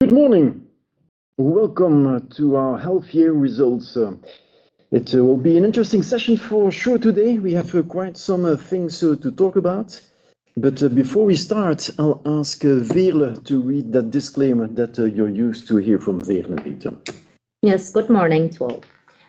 Good morning. Welcome to our half year results. It will be an interesting session for sure today. We have quite some things to talk about. Before we start, I'll ask Veerle to read that disclaimer that you're used to hear from Veerle De Wit. Yes, good morning to all.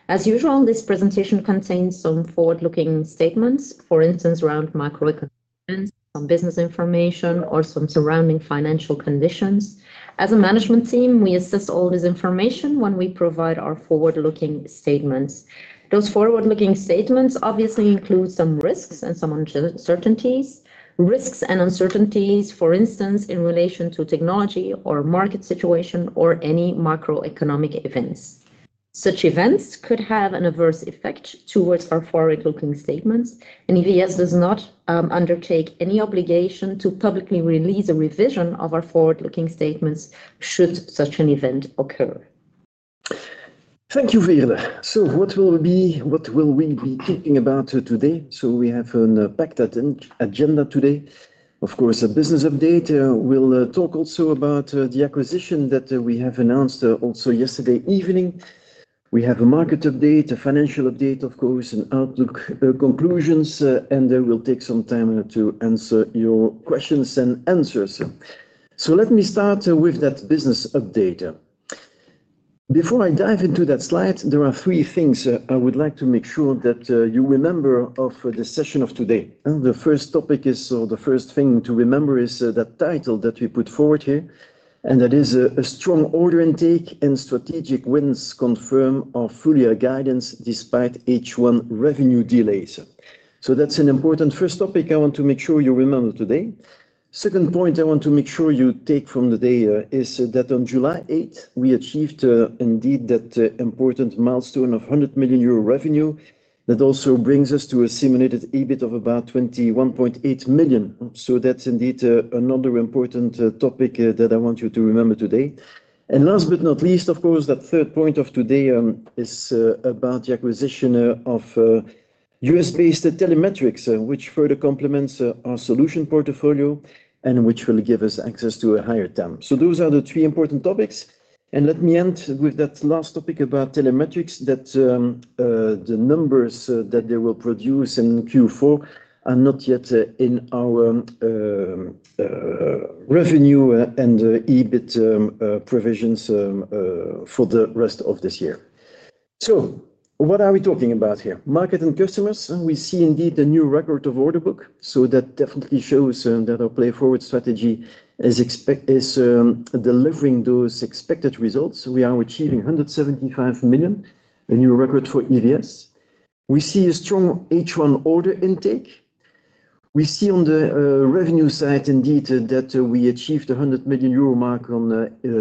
As usual, this presentation contains some forward-looking statements, for instance, around microeconomics, some business information, or some surrounding financial conditions. As a management team, we assist all this information when we provide our forward-looking statements. Those forward-looking statements obviously include some risks and some uncertainties. Risks and uncertainties, for instance, in relation to technology or market situation or any macroeconomic events. Such events could have an adverse effect towards our forward-looking statements, and EVS does not undertake any obligation to publicly release a revision of our forward-looking statements should such an event occur. Thank you, Veerle. What will we be thinking about today? We have a packed agenda today. Of course, a business update. We'll talk also about the acquisition that we have announced also yesterday evening. We have a market update, a financial update, of course, and outlook conclusions, and we'll take some time to answer your questions and answers. Let me start with that business update. Before I dive into that slide, there are three things I would like to make sure that you remember of the session of today. The first topic is, or the first thing to remember, is that title that we put forward here, and that is a strong order intake and strategic wins confirm our full year guidance despite H1 revenue delays. That's an important first topic I want to make sure you remember today. The second point I want to make sure you take from today is that on July 8th, we achieved indeed that important milestone of 100 million euro revenue. That also brings us to a simulated EBIT of about 21.8 million. That's indeed another important topic that I want you to remember today. Last but not least, of course, that third point of today is about the acquisition of U.S.-based Telemetrics, which further complements our solution portfolio and which will give us access to a higher total addressable market. Those are the three important topics. Let me end with that last topic about Telemetrics that the numbers that they will produce in Q4 are not yet in our revenue and EBIT provisions for the rest of this year. What are we talking about here? Market and customers. We see indeed a new record of order book. That definitely shows that our play forward strategy is delivering those expected results. We are achieving 175 million, a new record for EVS. We see a strong H1 order intake. We see on the revenue side indeed that we achieved the 100 million euro mark on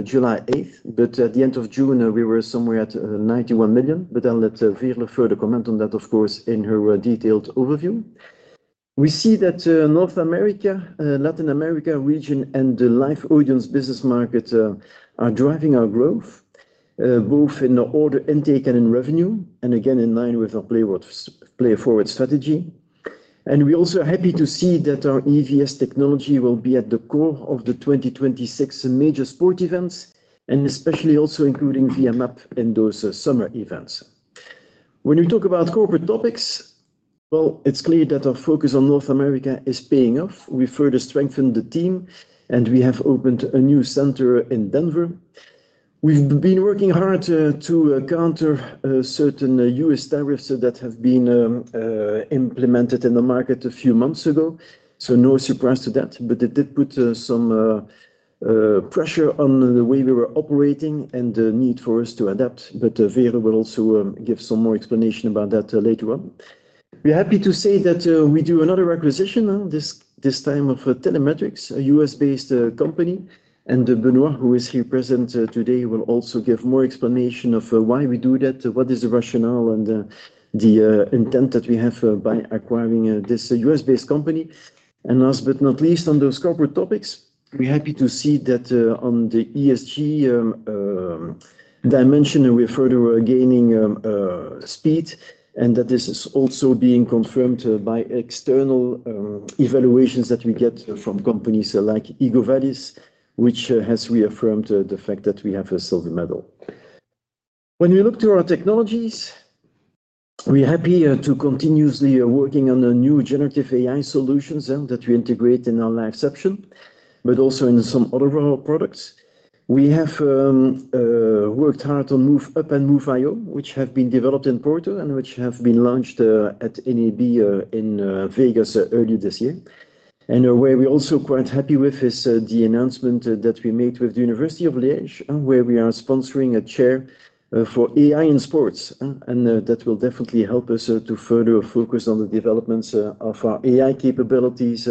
July 8th, but at the end of June, we were somewhere at 91 million. I'll let Veerle further comment on that, of course, in her detailed overview. We see that North America, Latin America region, and the live audience business market are driving our growth, both in order intake and in revenue, again in line with our play forward strategy. We're also happy to see that our EVS technology will be at the core of the 2026 major sport events, and especially also including VMAP and those summer events. When we talk about corporate topics, it's clear that our focus on North America is paying off. We further strengthened the team, and we have opened a new center in Denver. We've been working hard to counter certain U.S. tariffs that have been implemented in the market a few months ago. There is no surprise to that, but it did put some pressure on the way we were operating and the need for us to adapt. Veerle will also give some more explanation about that later on. We're happy to say that we do another acquisition, this time of Telemetrics, a U.S.-based company. Benoit, who is here present today, will also give more explanation of why we do that, what is the rationale, and the intent that we have by acquiring this U.S.-based company. Last but not least, on those corporate topics, we're happy to see that on the ESG dimension, we're further gaining speed, and that this is also being confirmed by external evaluations that we get from companies like EcoVadis, which has reaffirmed the fact that we have a silver medal. When we look to our technologies, we're happy to continuously work on new generative AI solutions that we integrate in our live section, but also in some other of our products. We have worked hard on Move Up and Move I/O, which have been developed in Porto and which have been launched at NAB in Vegas earlier this year. We are also quite happy with the announcement that we made with the University of Liège, where we are sponsoring a chair for AI in sports. That will definitely help us to further focus on the developments of our AI capabilities,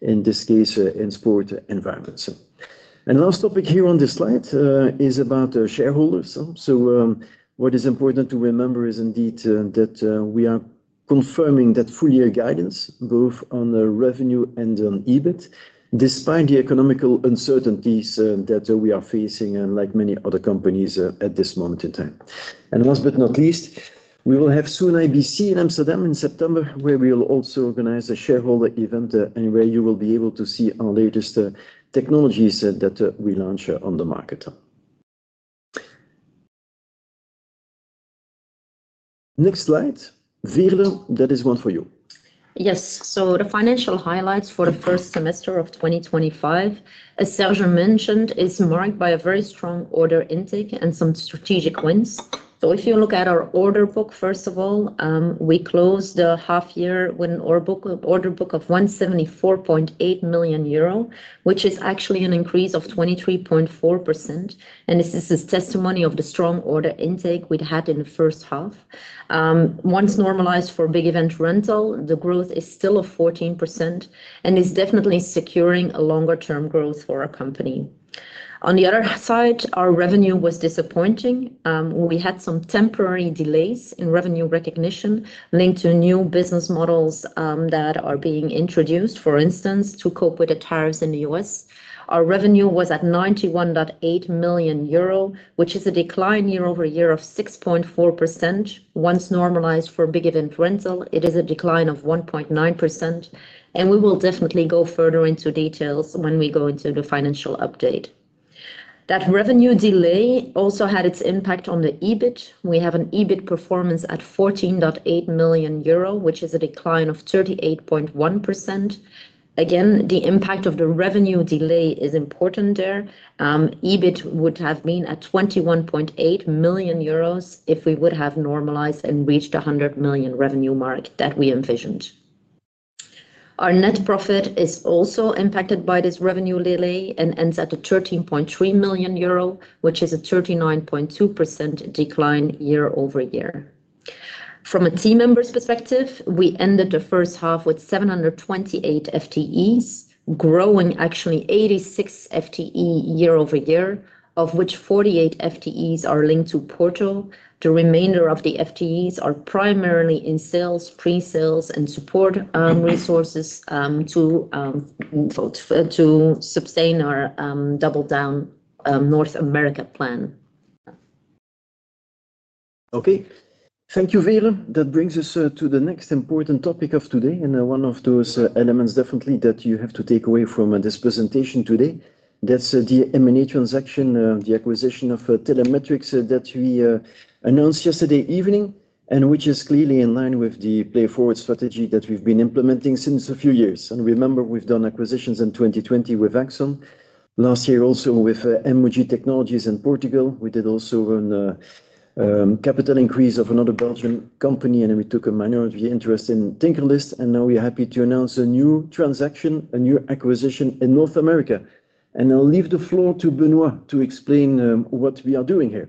in this case, in sport environments. The last topic here on this slide is about shareholders. What is important to remember is indeed that we are confirming that full year guidance, both on revenue and on EBIT, despite the economical uncertainties that we are facing, like many other companies at this moment in time. Last but not least, we will have soon IBC in Amsterdam in September, where we will also organize a shareholder event and where you will be able to see our latest technologies that we launch on the market. Next slide, Veerle, that is one for you. Yes, so the financial highlights for the first semester of 2025, as Serge mentioned, are marked by a very strong order intake and some strategic wins. If you look at our order book, first of all, we closed the half year with an order book of 174.8 million euro, which is actually an increase of 23.4%. This is a testimony of the strong order intake we'd had in the first half. Once normalized for big event rental, the growth is still 14% and is definitely securing a longer-term growth for our company. On the other side, our revenue was disappointing. We had some temporary delays in revenue recognition linked to new business models that are being introduced, for instance, to cope with the tariffs in the U.S. Our revenue was at 91.8 million euro, which is a decline year-over-year of 6.4%. Once normalized for big event rental, it is a decline of 1.9%. We will definitely go further into details when we go into the financial update. That revenue delay also had its impact on the EBIT. We have an EBIT performance at 14.8 million euro, which is a decline of 38.1%. Again, the impact of the revenue delay is important there. EBIT would have been at 21.8 million euros if we would have normalized and reached the 100 million revenue mark that we envisioned. Our net profit is also impacted by this revenue delay and ends at 13.3 million euro, which is a 39.2% decline year-over-year. From a team member's perspective, we ended the first half with 728 FTEs, growing actually 86 FTE year-over-year, of which 48 FTEs are linked to Porto. The remainder of the FTEs are primarily in sales, pre-sales, and support resources to sustain our double down North America plan. Okay, thank you, Veerle. That brings us to the next important topic of today, and one of those elements definitely that you have to take away from this presentation today, that's the M&A transaction, the acquisition of Telemetrics that we announced yesterday evening, which is clearly in line with the play forward strategy that we've been implementing since a few years. Remember, we've done acquisitions in 2020 with Axon, last year also with MOG Technologies in Portugal. We did also a capital increase of another Belgian company, and we took a minority interest in TinkerList. Now we are happy to announce a new transaction, a new acquisition in North America. I'll leave the floor to Benoit to explain what we are doing here.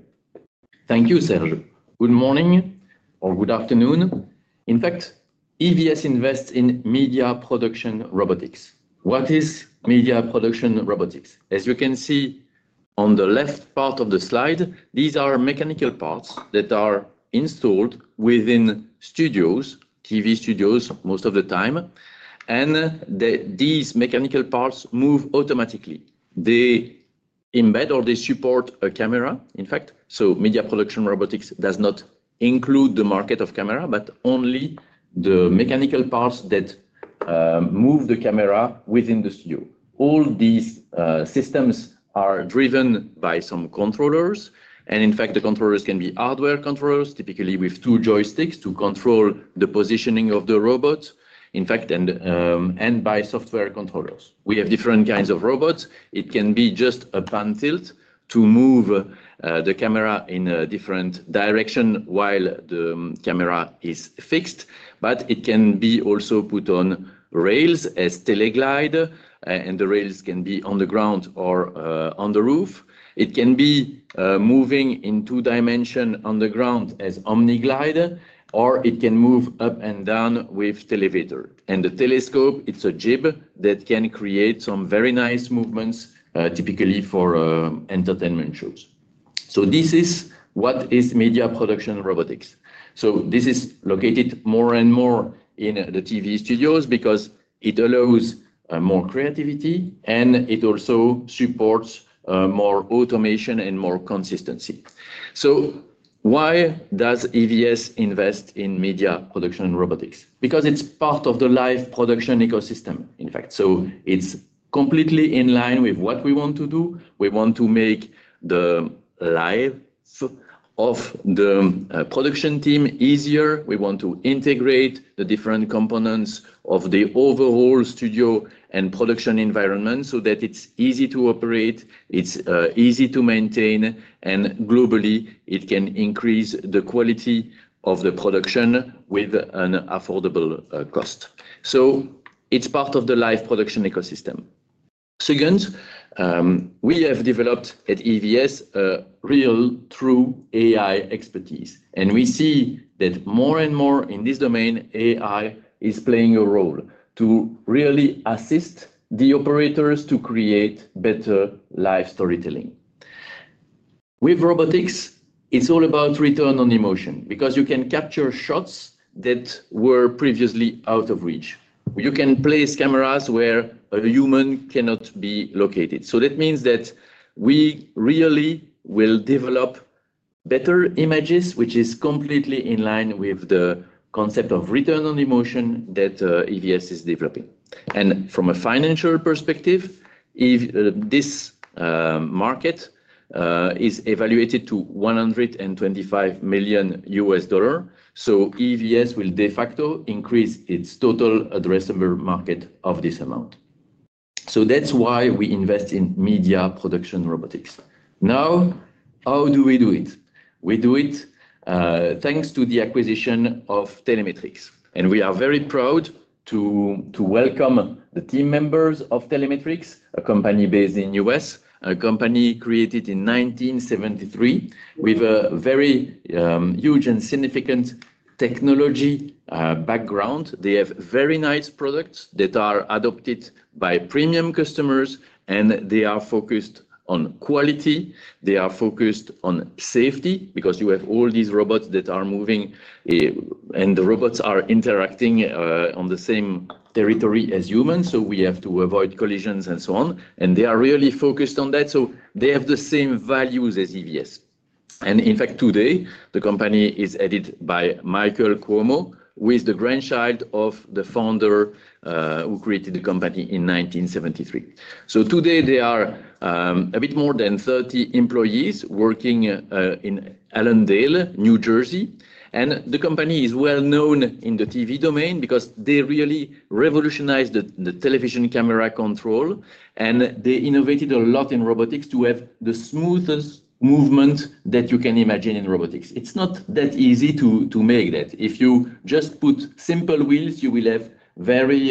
Thank you, Serge. Good morning or good afternoon. In fact, EVS invests in media production robotics. What is media production robotics? As you can see on the left part of the slide, these are mechanical parts that are installed within studios, TV studios most of the time. These mechanical parts move automatically. They embed or they support a camera, in fact. Media production robotics does not include the market of camera, but only the mechanical parts that move the camera within the studio. All these systems are driven by some controllers. The controllers can be hardware controllers, typically with two joysticks to control the positioning of the robot, in fact, and by software controllers. We have different kinds of robots. It can be just a pan tilt to move the camera in a different direction while the camera is fixed. It can be also put on rails as teleglide, and the rails can be on the ground or on the roof. It can be moving in two dimensions on the ground as omniglide, or it can move up and down with a telemeter. The telescope, it's a jib that can create some very nice movements, typically for entertainment shows. This is what is media production robotics. This is located more and more in the TV studios because it allows more creativity, and it also supports more automation and more consistency. Why does EVS invest in media production robotics? Because it's part of the live production ecosystem, in fact. It's completely in line with what we want to do. We want to make the lives of the production team easier. We want to integrate the different components of the overall studio and production environment so that it's easy to operate, it's easy to maintain, and globally, it can increase the quality of the production with an affordable cost. It's part of the live production ecosystem. Second, we have developed at EVS a real true AI expertise. We see that more and more in this domain, AI is playing a role to really assist the operators to create better live storytelling. With robotics, it's all about return on emotion because you can capture shots that were previously out of reach. You can place cameras where a human cannot be located. That means that we really will develop better images, which is completely in line with the concept of return on emotion that EVS is developing. From a financial perspective, this market is evaluated to $125 million. EVS will de facto increase its total addressable market of this amount. That's why we invest in media production robotics. Now, how do we do it? We do it thanks to the acquisition of Telemetrics. We are very proud to welcome the team members of Telemetrics, a company based in the U.S., a company created in 1973 with a very huge and significant technology background. They have very nice products that are adopted by premium customers, and they are focused on quality. They are focused on safety because you have all these robots that are moving, and the robots are interacting on the same territory as humans. We have to avoid collisions and so on. They are really focused on that. They have the same values as EVS. In fact, today, the company is headed by Michael Cuomo, who is the grandchild of the founder who created the company in 1973. Today, there are a bit more than 30 employees working in Allendale, New Jersey. The company is well known in the TV domain because they really revolutionized the television camera control. They innovated a lot in robotics to have the smoothest movement that you can imagine in robotics. It's not that easy to make that. If you just put simple wheels, you will have very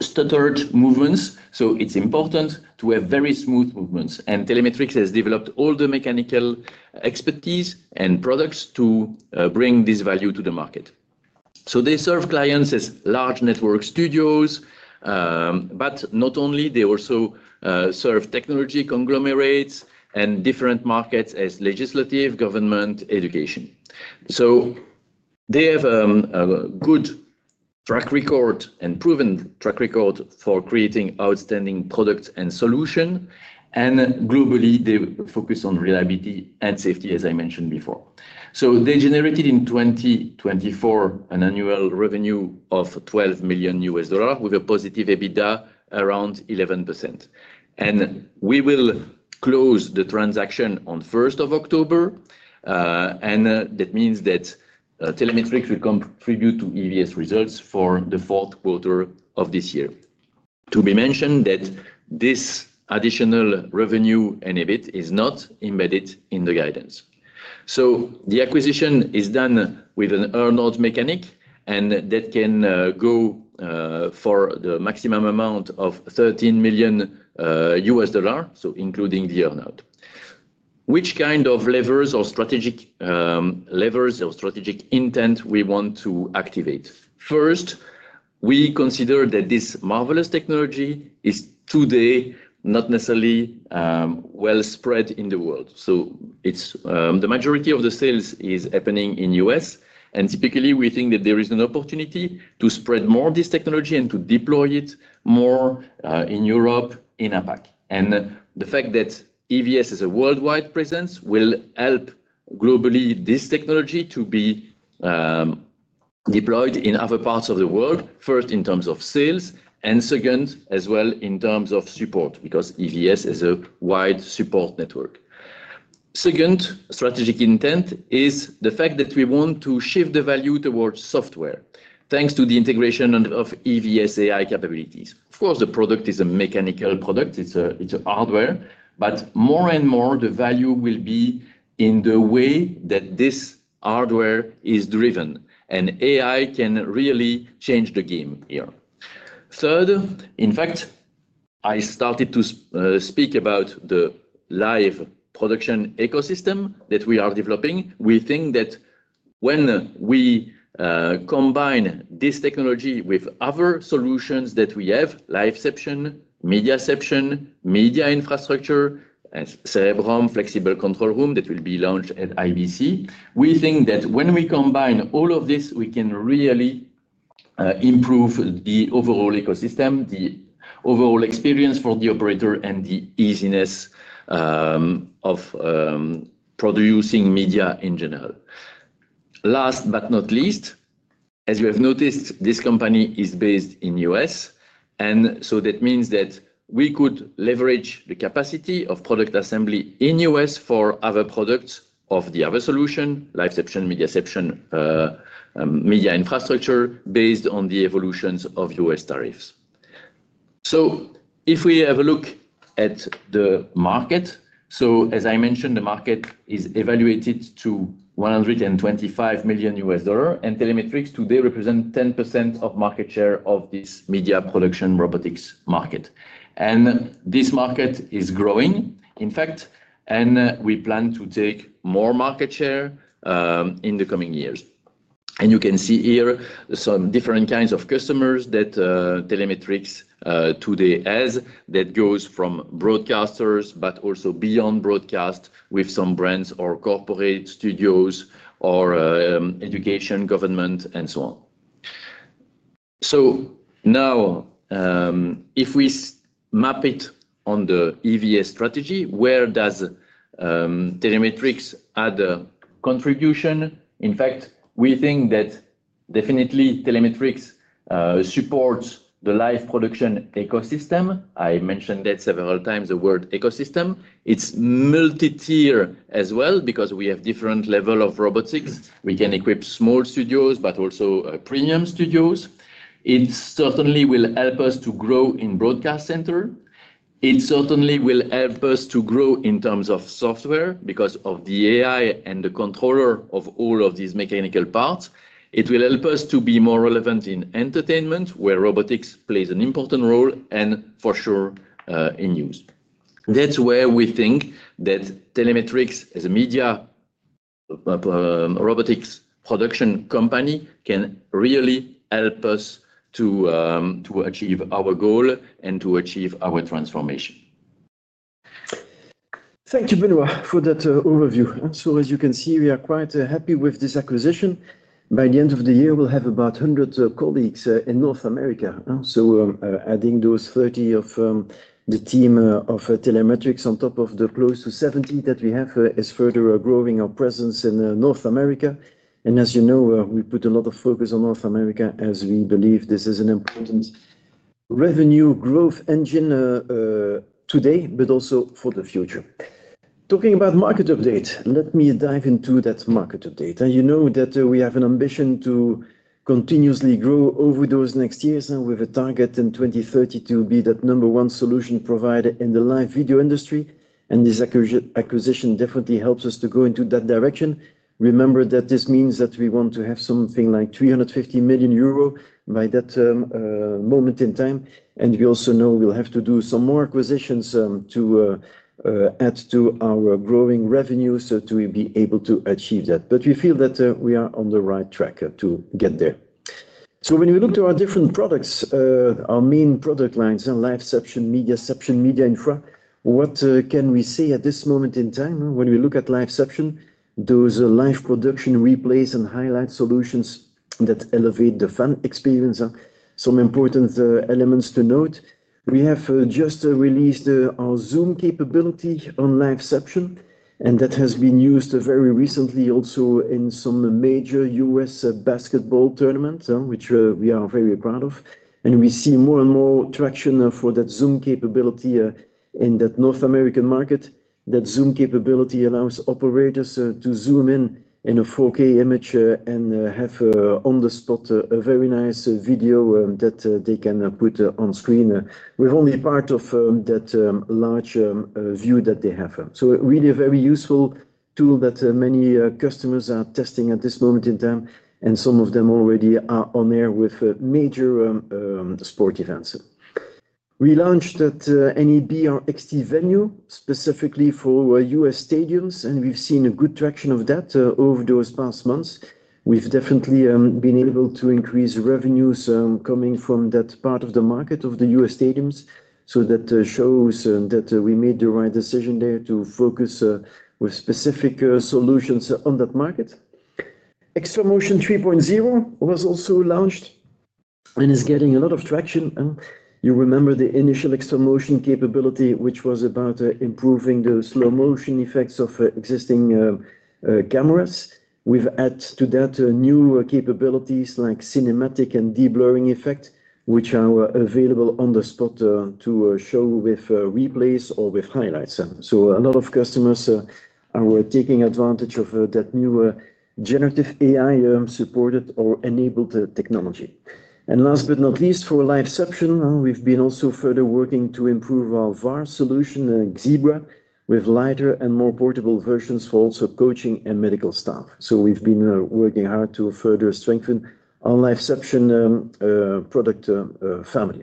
stuttered movements. It's important to have very smooth movements. Telemetrics has developed all the mechanical expertise and products to bring this value to the market. They serve clients as large network studios, but not only, they also serve technology conglomerates and different markets as legislative, government, education. They have a good track record and proven track record for creating outstanding products and solutions. Globally, they focus on reliability and safety, as I mentioned before. They generated in 2024 an annual revenue of $12 million with a positive EBITDA around 11%. We will close the transaction on the 1st of October. That means that Telemetrics will contribute to EVS results for the fourth quarter of this year. To be mentioned that this additional revenue and EBIT is not embedded in the guidance. The acquisition is done with an earnout mechanic, and that can go for the maximum amount of $13 million, including the earnout. Which kind of levers or strategic levers or strategic intent we want to activate? First, we consider that this marvelous technology is today not necessarily well spread in the world. The majority of the sales is happening in the U.S. Typically, we think that there is an opportunity to spread more of this technology and to deploy it more in Europe and APAC. The fact that EVS has a worldwide presence will help globally this technology to be deployed in other parts of the world, first in terms of sales and second as well in terms of support because EVS has a wide support network. The second strategic intent is the fact that we want to shift the value towards software, thanks to the integration of EVS AI capabilities. Of course, the product is a mechanical product. It's a hardware. More and more, the value will be in the way that this hardware is driven. AI can really change the game here. Third, in fact, I started to speak about the live production ecosystem that we are developing. We think that when we combine this technology with other solutions that we have, live section, media section, media infrastructure, and Cerebrum flexible control room that will be launched at IBC, we think that when we combine all of this, we can really improve the overall ecosystem, the overall experience for the operator, and the easiness of producing media in general. Last but not least, as you have noticed, this company is based in the U.S. That means that we could leverage the capacity of product assembly in the U.S. for other products of the other solution, live section, media section, media infrastructure, based on the evolutions of U.S. tariffs. If we have a look at the market, as I mentioned, the market is evaluated to $125 million. Telemetrics today represents 10% of market share of this media production robotics market. This market is growing, in fact, and we plan to take more market share in the coming years. You can see here some different kinds of customers that Telemetrics today has, that goes from broadcasters, but also beyond broadcast with some brands or corporate studios or education, government, and so on. If we map it on the EVS strategy, where does Telemetrics add a contribution? In fact, we think that definitely Telemetrics supports the live production ecosystem. I mentioned that several times, the word ecosystem. It's multi-tier as well because we have different levels of robotics. We can equip small studios, but also premium studios. It certainly will help us to grow in the broadcast center. It certainly will help us to grow in terms of software because of the AI and the controller of all of these mechanical parts. It will help us to be more relevant in entertainment, where robotics plays an important role, and for sure in news. That's where we think that Telemetrics as a media production robotics company, can really help us to achieve our goal and to achieve our transformation. Thank you, Benoit, for that overview. As you can see, we are quite happy with this acquisition. By the end of the year, we'll have about 100 colleagues in North America. Adding those 30 of the team of Telemetrics on top of the close to 70 that we have is further growing our presence in North America. As you know, we put a lot of focus on North America as we believe this is an important revenue growth engine today, but also for the future. Talking about market update, let me dive into that market update. You know that we have an ambition to continuously grow over those next years. We have a target in 2030 to be that number one solution provider in the live video industry. This acquisition definitely helps us to go into that direction. Remember that this means that we want to have something like 350 million euro by that moment in time. We also know we'll have to do some more acquisitions to add to our growing revenue to be able to achieve that. We feel that we are on the right track to get there. When we look to our different products, our main product lines, live section, media section, media infra, what can we say at this moment in time? When we look at live section, those live production replays and highlight solutions that elevate the fan experience. Some important elements to note, we have just released our Zoom capability on live section. That has been used very recently also in some major U.S. basketball tournaments, which we are very proud of. We see more and more traction for that Zoom capability in that North American market. That Zoom capability allows operators to zoom in in a 4K image and have on the spot a very nice video that they can put on screen with only part of that large view that they have. It is really a very useful tool that many customers are testing at this moment in time. Some of them already are on air with major sport events. We launched at NAB our XT venue specifically for U.S. stadiums. We've seen a good traction of that over those past months. We've definitely been able to increase revenues coming from that part of the market of the U.S. stadiums. That shows that we made the right decision there to focus with specific solutions on that market. Xtramotion 3.0 was also launched and is getting a lot of traction. You remember the initial Xtramotion capability, which was about improving the slow motion effects of existing cameras. We've added to that new capabilities like cinematic and de-blurring effects, which are available on the spot to show with replays or with highlights. A lot of customers are taking advantage of that new generative AI supported or enabled technology. Last but not least, for live section, we've been also further working to improve our VAR solution, Xebra, with lighter and more portable versions for also coaching and medical staff. We've been working hard to further strengthen our live section product family.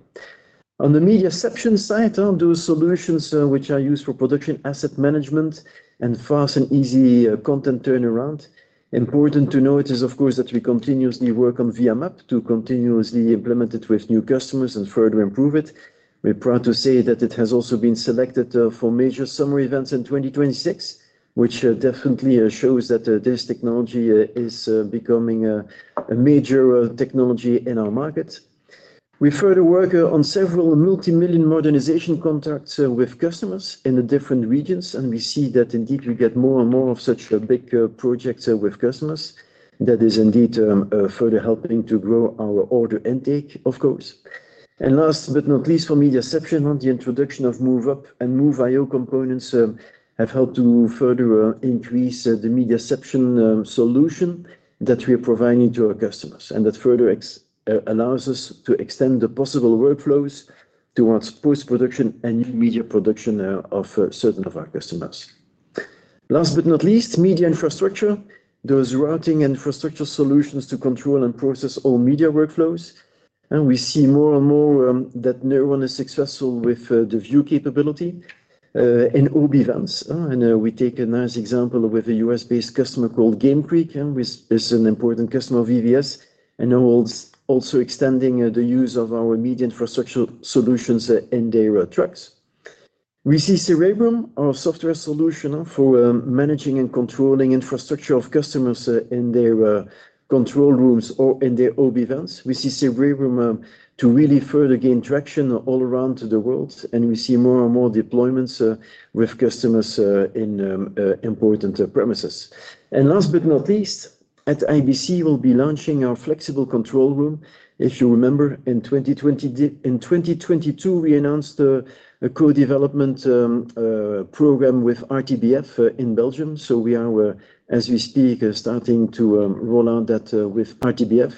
On the media section side, those solutions are used for production asset management and fast and easy content turnaround. Important to note is, of course, that we continuously work on VMAP to continuously implement it with new customers and further improve it. We're proud to say that it has also been selected for major summer events in 2026, which definitely shows that this technology is becoming a major technology in our market. We further work on several multimillion modernization contracts with customers in the different regions. We see that indeed we get more and more of such big projects with customers. That is indeed further helping to grow our order intake, of course. Last but not least, for media section, the introduction of Move Up and Move I/O components have helped to further increase the media section solution that we are providing to our customers. That further allows us to extend the possible workflows towards post-production and new media production of certain of our customers. Last but not least, media infrastructure, those routing and infrastructure solutions to control and process all media workflows. We see more and more that Neuron is successful with the view capability in all events. We take a nice example with a U.S.-based customer called Game Creek, and this is an important customer of EVS, and now also extending the use of our media infrastructure solutions in their trucks. We see Cerebrum, our software solution for managing and controlling infrastructure of customers in their control rooms or in their OB events. We see Cerebrum to really further gain traction all around the world. We see more and more deployments with customers in important premises. Last but not least, at IBC, we'll be launching our flexible control room. If you remember, in 2022, we announced a co-development program with RTBF in Belgium. We are, as we speak, starting to roll out that with RTBF.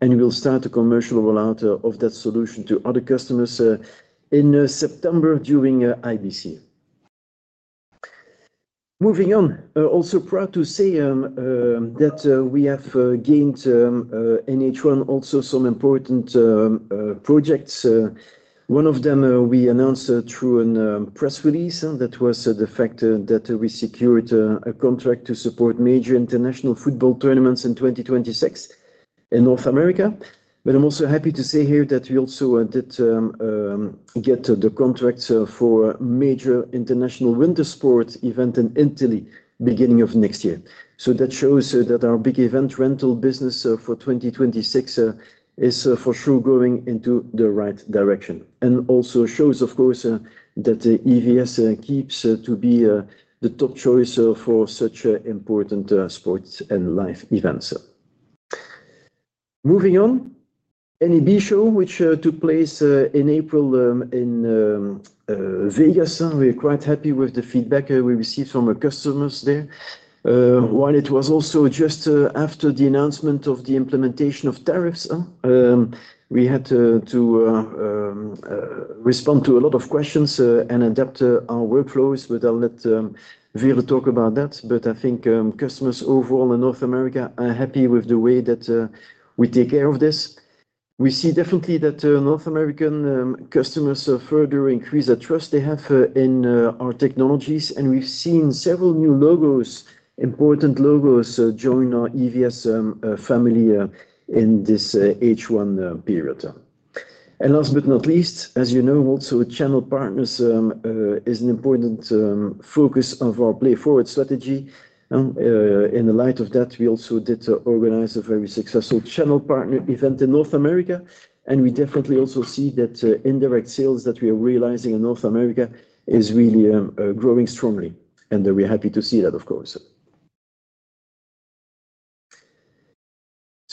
We'll start a commercial rollout of that solution to other customers in September during IBC. Moving on, also proud to say that we have gained in H1 also some important projects. One of them we announced through a press release, and that was the fact that we secured a contract to support major international football tournaments in 2026 in North America. I'm also happy to say here that we also did get the contracts for a major international winter sports event in Italy beginning of next year. That shows that our big event rental business for 2026 is for sure going into the right direction. It also shows, of course, that EVS keeps to be the top choice for such important sports and live events. Moving on, NAB Show, which took place in April in Vegas. We're quite happy with the feedback we received from our customers there. It was also just after the announcement of the implementation of tariffs, we had to respond to a lot of questions and adapt our workflows. I'll let Veerle talk about that. I think customers overall in North America are happy with the way that we take care of this. We see definitely that North American customers further increase the trust they have in our technologies. We've seen several new logos, important logos, join our EVS family in this H1 period. Last but not least, as you know, also channel partners is an important focus of our play forward strategy. In the light of that, we also did organize a very successful channel partner event in North America. We definitely also see that indirect sales that we are realizing in North America are really growing strongly. We're happy to see that, of course.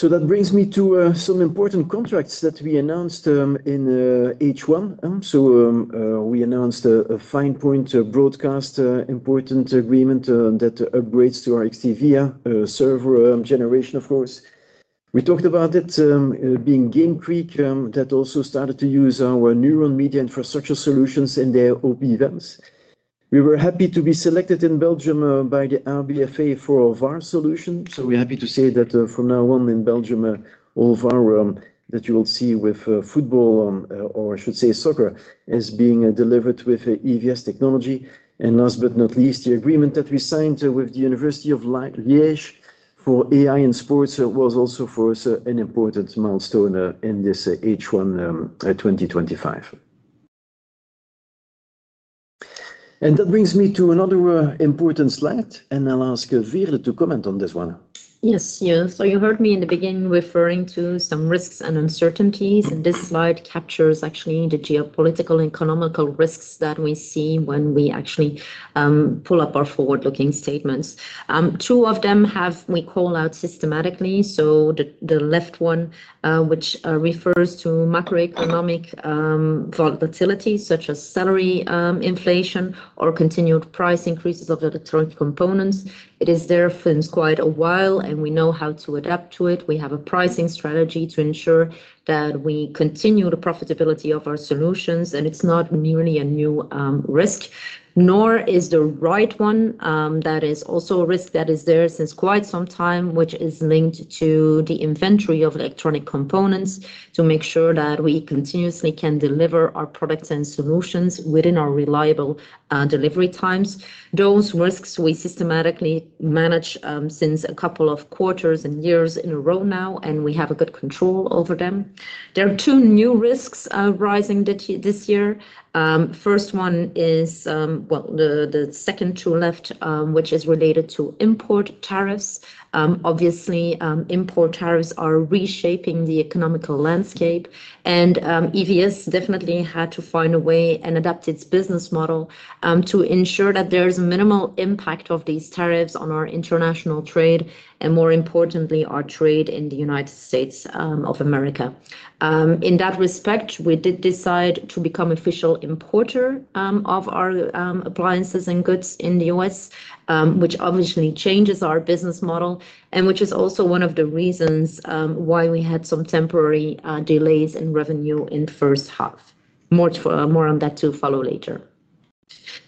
That brings me to some important contracts that we announced in H1. We announced a Finepoint Broadcast important agreement that upgrades to our XDV server generation, of course. We talked about it being Game Creek that also started to use our Neuron media infrastructure solutions in their OP events. We were happy to be selected in Belgium by the RBFA for our VAR solution. We're happy to say that from now on in Belgium, all VAR that you will see with football, or I should say soccer, is being delivered with EVS technology. Last but not least, the agreement that we signed with the University of Liège for AI in sports was also for us an important milestone in this H1 2025. That brings me to another important slide. I'll ask Veerle to comment on this one. Yes, yes. You heard me in the beginning referring to some risks and uncertainties. This slide captures actually the geopolitical and economical risks that we see when we actually pull up our forward-looking statements. Two of them we call out systematically. The left one, which refers to macroeconomic volatility such as salary inflation or continued price increases of electronic components, is there since quite a while. We know how to adapt to it. We have a pricing strategy to ensure that we continue the profitability of our solutions. It's not really a new risk, nor is the right one. That is also a risk that is there since quite some time, which is linked to the inventory of electronic components to make sure that we continuously can deliver our products and solutions within our reliable delivery times. Those risks we systematically manage since a couple of quarters and years in a row now, and we have a good control over them. There are two new risks rising this year. The first one is the second to left, which is related to import tariffs. Obviously, import tariffs are reshaping the economical landscape. EVS definitely had to find a way and adapt its business model to ensure that there is minimal impact of these tariffs on our international trade and, more importantly, our trade in the United States. In that respect, we did decide to become an official importer of our appliances and goods in the U.S., which obviously changes our business model and which is also one of the reasons why we had some temporary delays in revenue in the first half. More on that to follow later.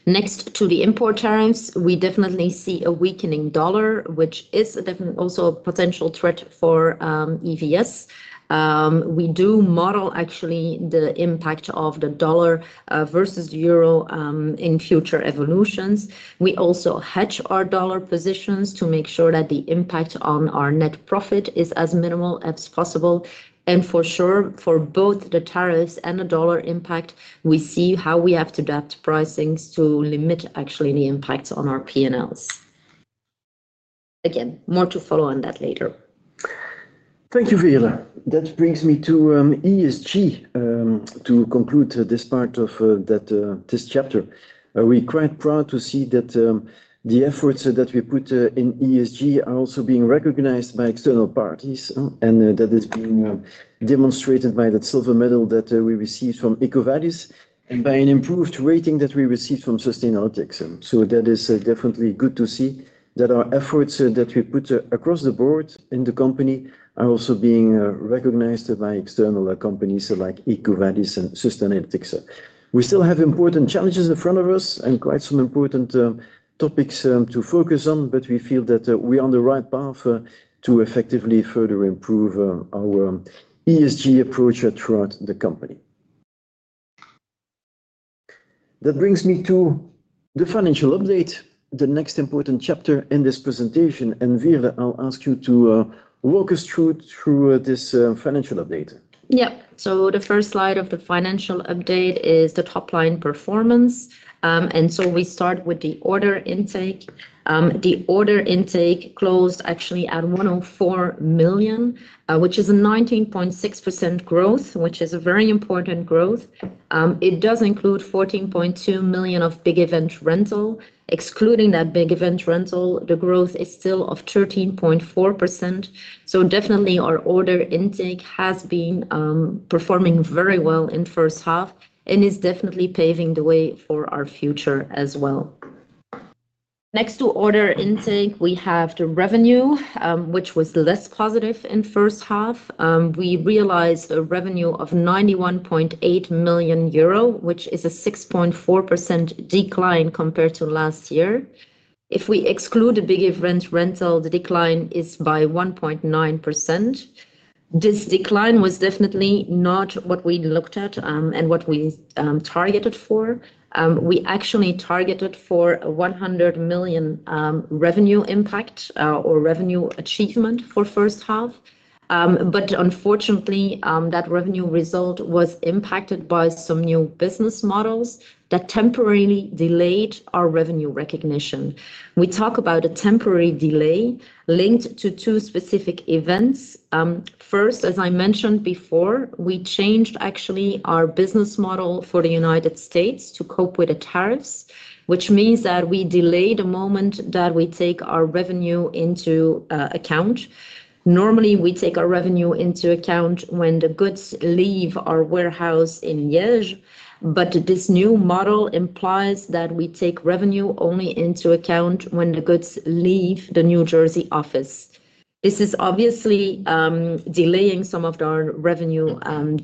Next to the import tariffs, we definitely see a weakening dollar, which is also a potential threat for EVS. We do model actually the impact of the dollar versus euro in future evolutions. We also hedge our dollar positions to make sure that the impact on our net profit is as minimal as possible. For sure, for both the tariffs and the dollar impact, we see how we have to adapt pricings to limit actually the impact on our P&Ls. Again, more to follow on that later. Thank you, Veerle. That brings me to ESG to conclude this part of this chapter. We're quite proud to see that the efforts that we put in ESG are also being recognized by external parties. That is being demonstrated by that silver medal that we received from EcoVadis and by an improved rating that we received from Sustainalytics. That is definitely good to see that our efforts that we put across the board in the company are also being recognized by external companies like EcoVadis and Sustainalytics. We still have important challenges in front of us and quite some important topics to focus on. We feel that we are on the right path to effectively further improve our ESG approach throughout the company. That brings me to the financial update, the next important chapter in this presentation. Veerle, I'll ask you to walk us through this financial update. Yeah. The first slide of the financial update is the top line performance. We start with the order intake. The order intake closed actually at 104 million, which is a 19.6% growth, which is a very important growth. It does include 14.2 million of big event rental. Excluding that big event rental, the growth is still 13.4%. Definitely, our order intake has been performing very well in the first half and is definitely paving the way for our future as well. Next to order intake, we have the revenue, which was less positive in the first half. We realized a revenue of 91.8 million euro, which is a 6.4% decline compared to last year. If we exclude the big event rental, the decline is 1.9%. This decline was definitely not what we looked at and what we targeted for. We actually targeted for a 100 million revenue impact or revenue achievement for the first half. Unfortunately, that revenue result was impacted by some new business models that temporarily delayed our revenue recognition. We talk about a temporary delay linked to two specific events. First, as I mentioned before, we changed actually our business model for the United States to cope with the tariffs, which means that we delay the moment that we take our revenue into account. Normally, we take our revenue into account when the goods leave our warehouse in Liège. This new model implies that we take revenue only into account when the goods leave the New Jersey office. This is obviously delaying some of our revenue and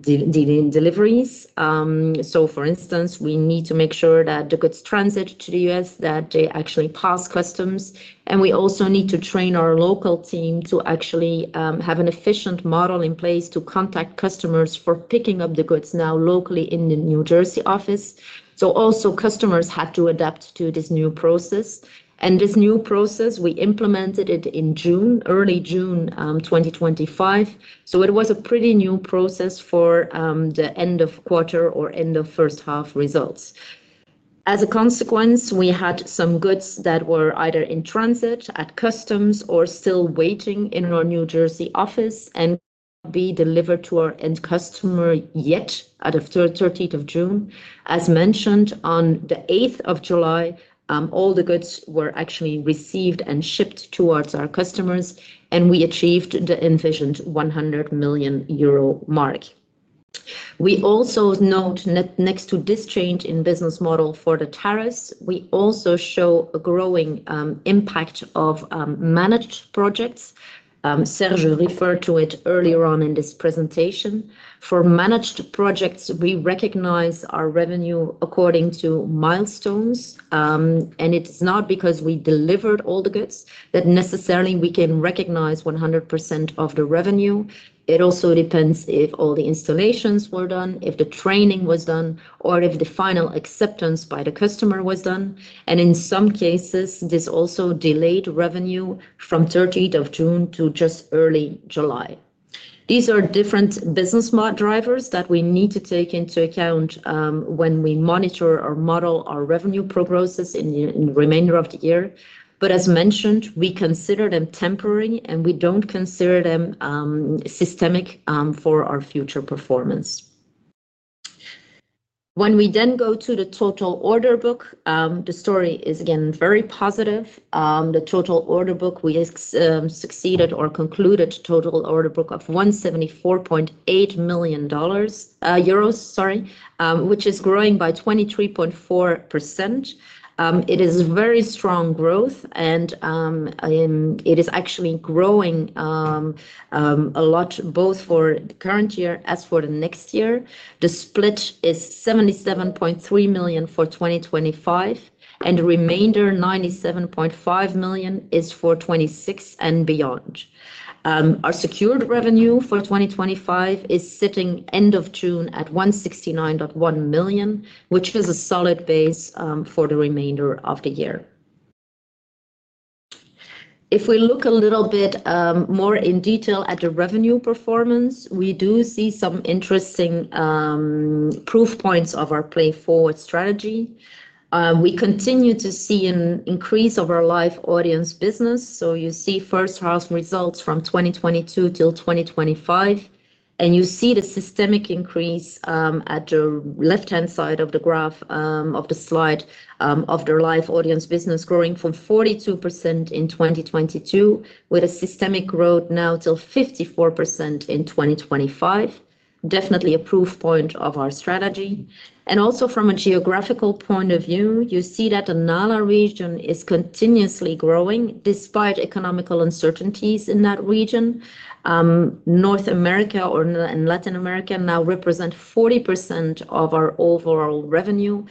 deliveries. For instance, we need to make sure that the goods transit to the U.S., that they actually pass customs. We also need to train our local team to actually have an efficient model in place to contact customers for picking up the goods now locally in the New Jersey office. Customers had to adapt to this new process. This new process, we implemented it in June, early June 2025. It was a pretty new process for the end of quarter or end of first half results. As a consequence, we had some goods that were either in transit at customs or still waiting in our New Jersey office and not being delivered to our end customer yet at the 30th of June. As mentioned, on the 8th of July, all the goods were actually received and shipped towards our customers. We achieved the envisioned 100 million euro mark. We also note that next to this change in business model for the tariffs, we also show a growing impact of managed projects. Serge referred to it earlier on in this presentation. For managed projects, we recognize our revenue according to milestones. It's not because we delivered all the goods that necessarily we can recognize 100% of the revenue. It also depends if all the installations were done, if the training was done, or if the final acceptance by the customer was done. In some cases, this also delayed revenue from June 30 to just early July. These are different business model drivers that we need to take into account when we monitor or model our revenue progresses in the remainder of the year. As mentioned, we consider them temporary, and we don't consider them systemic for our future performance. When we then go to the total order book, the story is again very positive. The total order book, we succeeded or concluded a total order book of EUR 174.8 million, sorry, which is growing by 23.4%. It is very strong growth, and it is actually growing a lot both for the current year as for the next year. The split is 77.3 million for 2025, and the remainder 97.5 million is for 2026 and beyond. Our secured revenue for 2025 is sitting end of June at 169.1 million, which is a solid base for the remainder of the year. If we look a little bit more in detail at the revenue performance, we do see some interesting proof points of our play forward strategy. We continue to see an increase of our live audience business. You see first half results from 2022 till 2025. You see the systemic increase at the left-hand side of the graph of the slide of the live audience business growing from 42% in 2022, with a systemic growth now till 54% in 2025. Definitely a proof point of our strategy. Also from a geographical point of view, you see that the Nala region is continuously growing despite economical uncertainties in that region. North America and Latin America now represent 40% of our overall revenue.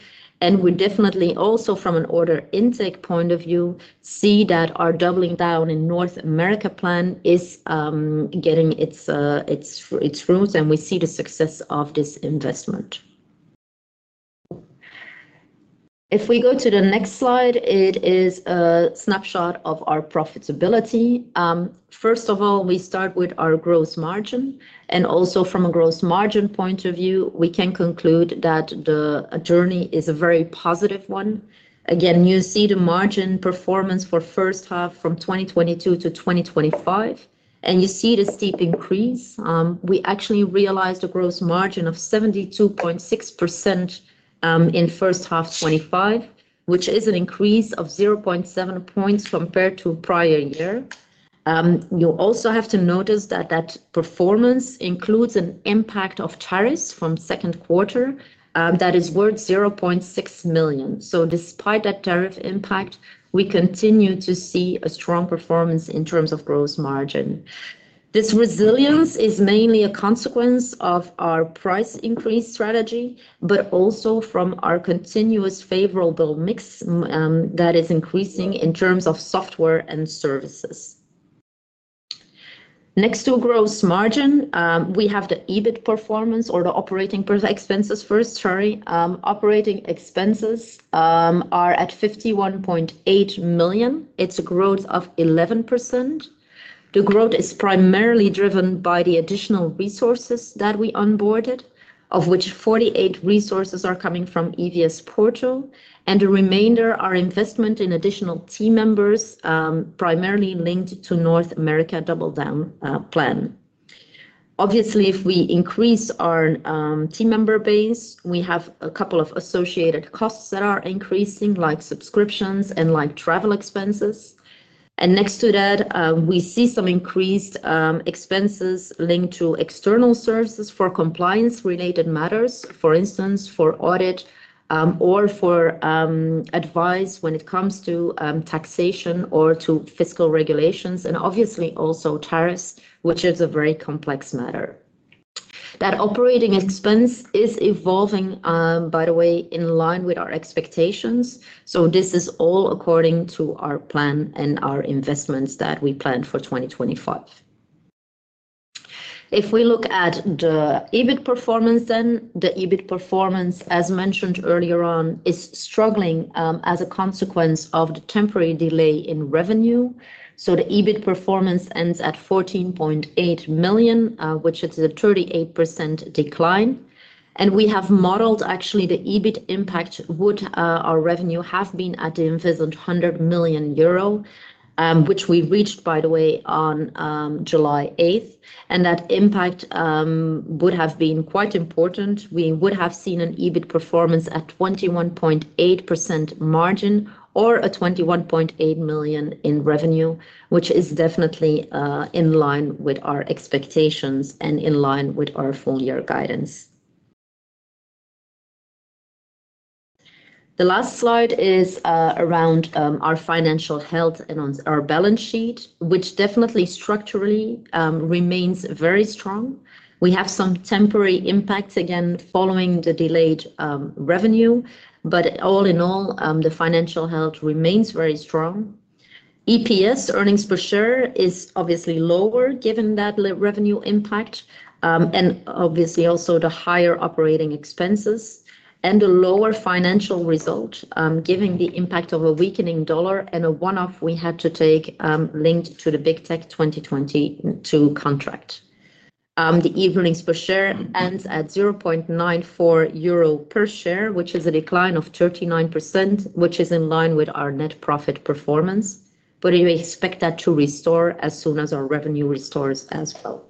We definitely also, from an order intake point of view, see that our doubling down in North America plan is getting its roots, and we see the success of this investment. If we go to the next slide, it is a snapshot of our profitability. First of all, we start with our gross margin. Also from a gross margin point of view, we can conclude that the journey is a very positive one. Again, you see the margin performance for the first half from 2022 to 2025. You see the steep increase. We actually realized a gross margin of 72.6% in the first half of 2025, which is an increase of 0.7 points compared to the prior year. You also have to notice that that performance includes an impact of tariffs from the second quarter that is worth 0.6 million. Despite that tariff impact, we continue to see a strong performance in terms of gross margin. This resilience is mainly a consequence of our price increase strategy, but also from our continuous favorable mix that is increasing in terms of software and services. Next to a gross margin, we have the EBIT performance or the operating expenses first, sorry. Operating expenses are at 51.8 million. It's a growth of 11%. The growth is primarily driven by the additional resources that we onboarded, of which 48 resources are coming from EVS Porto. The remainder, our investment in additional team members, is primarily linked to the North America double down plan. Obviously, if we increase our team member base, we have a couple of associated costs that are increasing, like subscriptions and like travel expenses. Next to that, we see some increased expenses linked to external services for compliance-related matters, for instance, for audit or for advice when it comes to taxation or to fiscal regulations, and obviously also tariffs, which is a very complex matter. That operating expense is evolving, by the way, in line with our expectations. This is all according to our plan and our investments that we plan for 2025. If we look at the EBIT performance, then the EBIT performance, as mentioned earlier on, is struggling as a consequence of the temporary delay in revenue. The EBIT performance ends at 14.8 million, which is a 38% decline. We have modeled actually the EBIT impact would our revenue have been at the envisioned 100 million euro, which we reached, by the way, on July 8th. That impact would have been quite important. We would have seen an EBIT performance at 21.8% margin or at 21.8 million in revenue, which is definitely in line with our expectations and in line with our full year guidance. The last slide is around our financial health and on our balance sheet, which definitely structurally remains very strong. We have some temporary impacts again following the delayed revenue. All in all, the financial health remains very strong. EPS, earnings per share, is obviously lower given that revenue impact, and obviously also the higher operating expenses and the lower financial result, given the impact of a weakening dollar and a one-off we had to take linked to the Big Tech 2022 contract. The EBIT per share ends at 0.94 euro per share, which is a decline of 39%, which is in line with our net profit performance. We expect that to restore as soon as our revenue restores as well.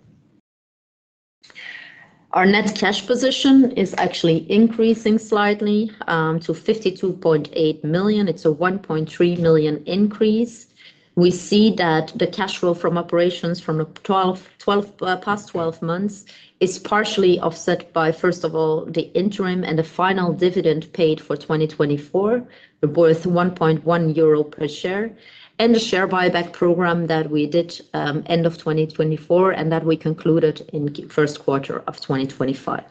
Our net cash position is actually increasing slightly to 52.8 million. It's a 1.3 million increase. We see that the cash flow from operations from the past 12 months is partially offset by, first of all, the interim and the final dividend paid for 2024, worth 1.1 euro per share, and the share buyback program that we did end of 2024 and that we concluded in the first quarter of 2025.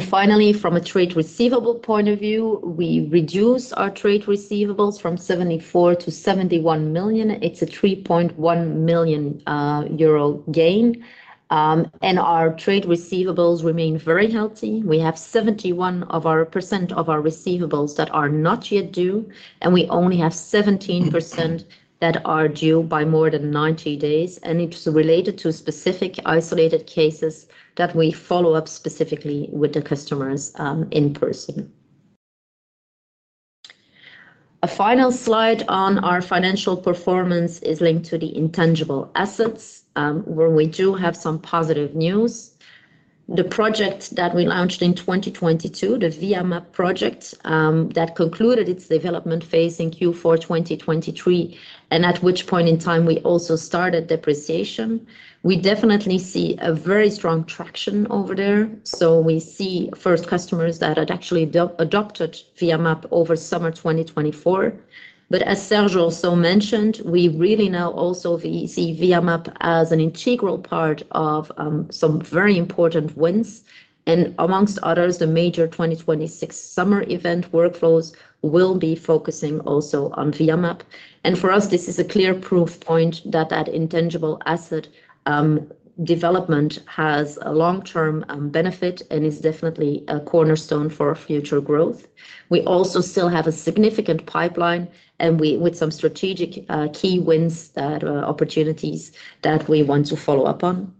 Finally, from a trade receivable point of view, we reduced our trade receivables from 74 million to 71 million. It's a 3.1 million euro gain. Our trade receivables remain very healthy. We have 71% of our receivables that are not yet due, and we only have 17% that are due by more than 90 days. It's related to specific isolated cases that we follow up specifically with the customers in person. A final slide on our financial performance is linked to the intangible assets, where we do have some positive news. The project that we launched in 2022, the VMAP project, concluded its development phase in Q4 2023, and at which point in time we also started depreciation. We definitely see a very strong traction over there. We see first customers that had actually adopted VMAP over summer 2024. As Serge also mentioned, we really now also see VMAP as an integral part of some very important wins. Amongst others, the major 2026 summer event workflows will be focusing also on VMAP. For us, this is a clear proof point that that intangible asset development has a long-term benefit and is definitely a cornerstone for future growth. We also still have a significant pipeline with some strategic key wins that are opportunities that we want to follow up on.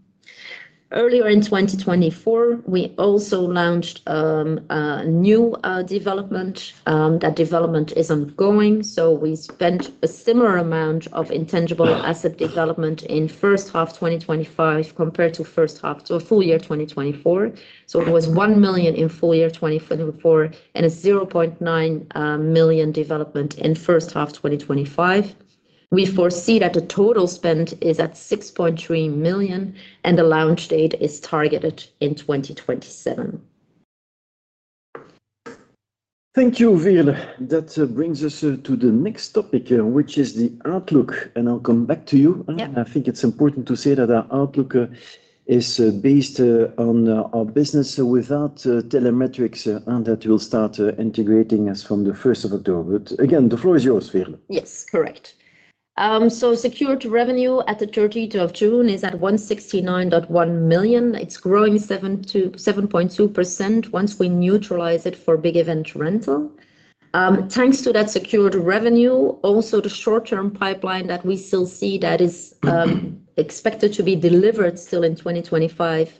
Earlier in 2024, we also launched a new development. That development is ongoing. We spent a similar amount of intangible asset development in the first half of 2025 compared to the first half of the full year 2024. It was 1 million in the full year 2024 and a 0.9 million development in the first half of 2025. We foresee that the total spend is at 6.3 million, and the launch date is targeted in 2027. Thank you, Veerle. That brings us to the next topic, which is the outlook. I'll come back to you. I think it's important to say that our outlook is based on our business without Telemetrics, and that will start integrating us from the 1st of October. The floor is yours, Veerle. Yes, correct. Secured revenue at the 30th of June is at 169.1 million. It's growing 7.2% once we neutralize it for big event rental. Thanks to that secured revenue and also the short-term pipeline that we still see, that is expected to be delivered still in 2025.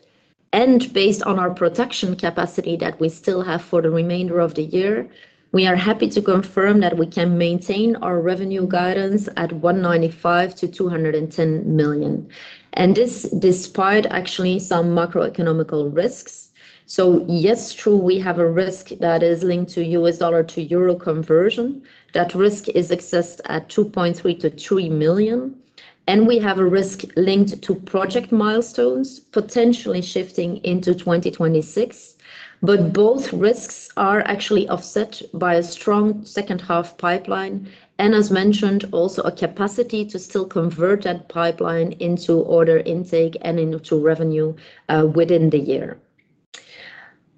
Based on our protection capacity that we still have for the remainder of the year, we are happy to confirm that we can maintain our revenue guidance at 195 to 210 million. This is despite actually some macroeconomic risks. Yes, true, we have a risk that is linked to US dollar to euro conversion. That risk is assessed at 2.3 million-3 million. We have a risk linked to project milestones potentially shifting into 2026. Both risks are actually offset by a strong second half pipeline. As mentioned, also a capacity to still convert that pipeline into order intake and into revenue within the year.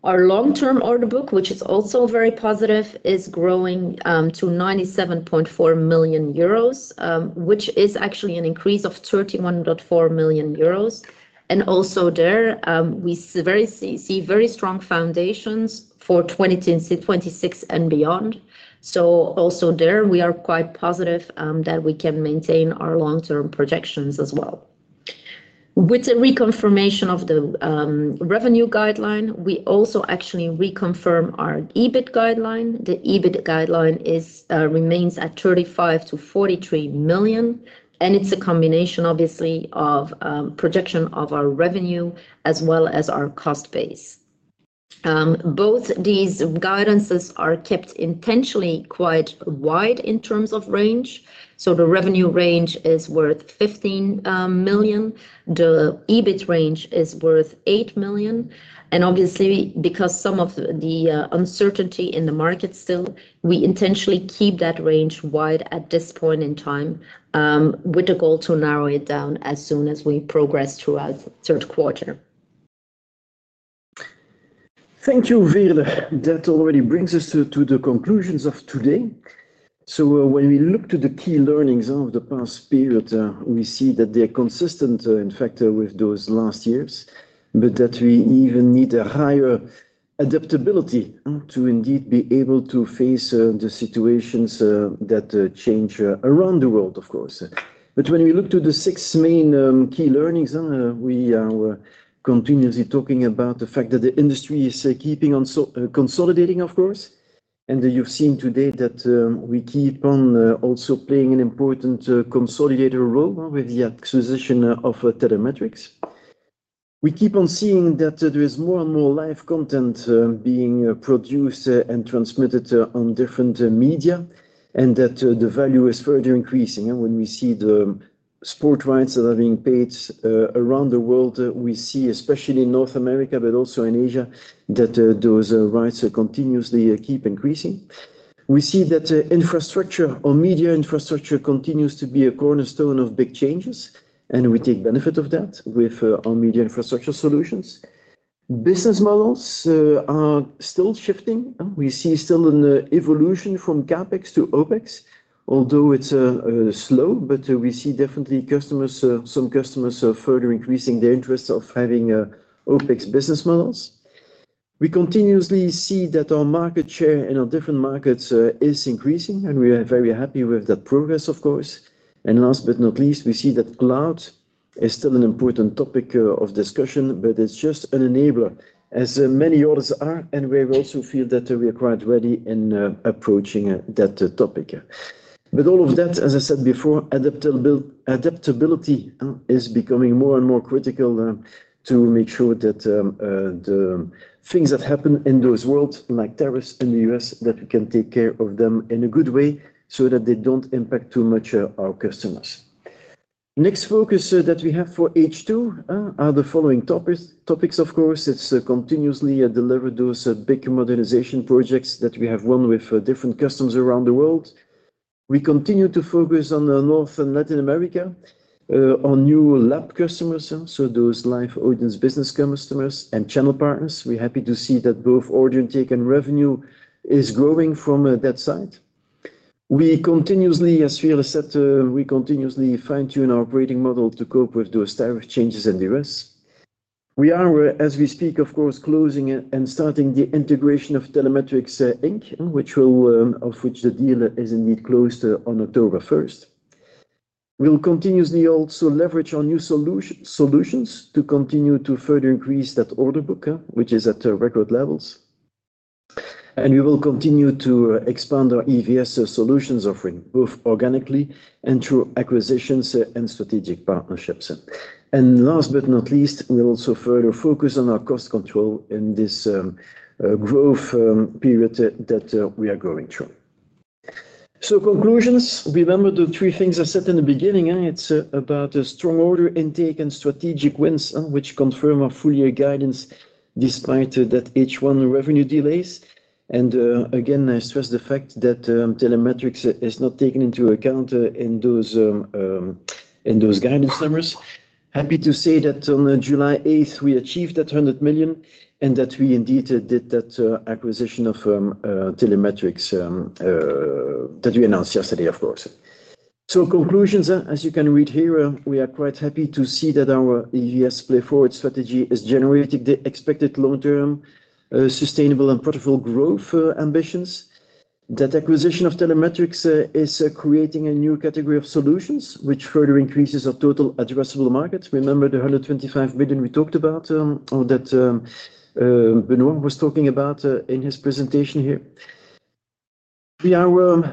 Our long-term order book, which is also very positive, is growing to 97.4 million euros, which is actually an increase of 31.4 million euros. Also there, we see very strong foundations for 2026 and beyond. We are quite positive that we can maintain our long-term projections as well. With the reconfirmation of the revenue guideline, we also actually reconfirm our EBIT guideline. The EBIT guideline remains at 35 to 43 million. It's a combination, obviously, of projection of our revenue as well as our cost base. Both these guidances are kept intentionally quite wide in terms of range. The revenue range is worth 15 million. The EBIT range is worth 8 million. Obviously, because some of the uncertainty in the market still, we intentionally keep that range wide at this point in time, with the goal to narrow it down as soon as we progress through our third quarter. Thank you, Veerle. That already brings us to the conclusions of today. When we look to the key learnings of the past period, we see that they are consistent, in fact, with those last years, but that we even need a higher adaptability to indeed be able to face the situations that change around the world, of course. When we look to the six main key learnings, we are continuously talking about the fact that the industry is keeping on consolidating, of course. You've seen today that we keep on also playing an important consolidator role with the acquisition of Telemetrics. We keep on seeing that there is more and more live content being produced and transmitted on different media, and that the value is further increasing. When we see the sport rights that are being paid around the world, we see, especially in North America, but also in Asia, that those rights continuously keep increasing. We see that infrastructure or media infrastructure continues to be a cornerstone of big changes, and we take benefit of that with our media infrastructure solutions. Business models are still shifting. We see still an evolution from CapEx to OpEx, although it's slow, but we see definitely customers, some customers are further increasing their interest of having OpEx business models. We continuously see that our market share in our different markets is increasing, and we are very happy with that progress, of course. Last but not least, we see that cloud is still an important topic of discussion, but it's just an enabler, as many others are, and we also feel that we are quite ready in approaching that topic. With all of that, as I said before, adaptability is becoming more and more critical to make sure that the things that happen in those worlds, like tariffs in the U.S., that we can take care of them in a good way so that they don't impact too much our customers. Next focus that we have for H2 are the following topics, of course. It's continuously delivered those big modernization projects that we have won with different customers around the world. We continue to focus on North America and Latin America on new live customers. Those live audience business customers and channel partners, we're happy to see that both order intake and revenue are growing from that side. As Veerle said, we continuously fine-tune our operating model to cope with those tariff changes in the U.S. We are, as we speak, of course, closing and starting the integration of Telemetrics Inc., which will, of which the deal is indeed closed on October 1st. We'll continuously also leverage our new solutions to continue to further increase that order book, which is at record levels. We will continue to expand our EVS solutions offering both organically and through acquisitions and strategic partnerships. Last but not least, we'll also further focus on our cost control in this growth period that we are going through. Conclusions, remember the three things I said in the beginning. It's about a strong order intake and strategic wins, which confirm our full year guidance despite that H1 revenue delays. I stress the fact that Telemetrics is not taken into account in those guidance summaries. Happy to say that on July 8th we achieved that 100 million and that we indeed did that acquisition of Telemetrics that we announced yesterday, of course. Conclusions, as you can read here, we are quite happy to see that our EVS play forward strategy is generating the expected long-term sustainable and profitable growth ambitions. That acquisition of Telemetrics is creating a new category of solutions, which further increases our total addressable market. Remember the 125 million we talked about or that Benoit was talking about in his presentation here. We are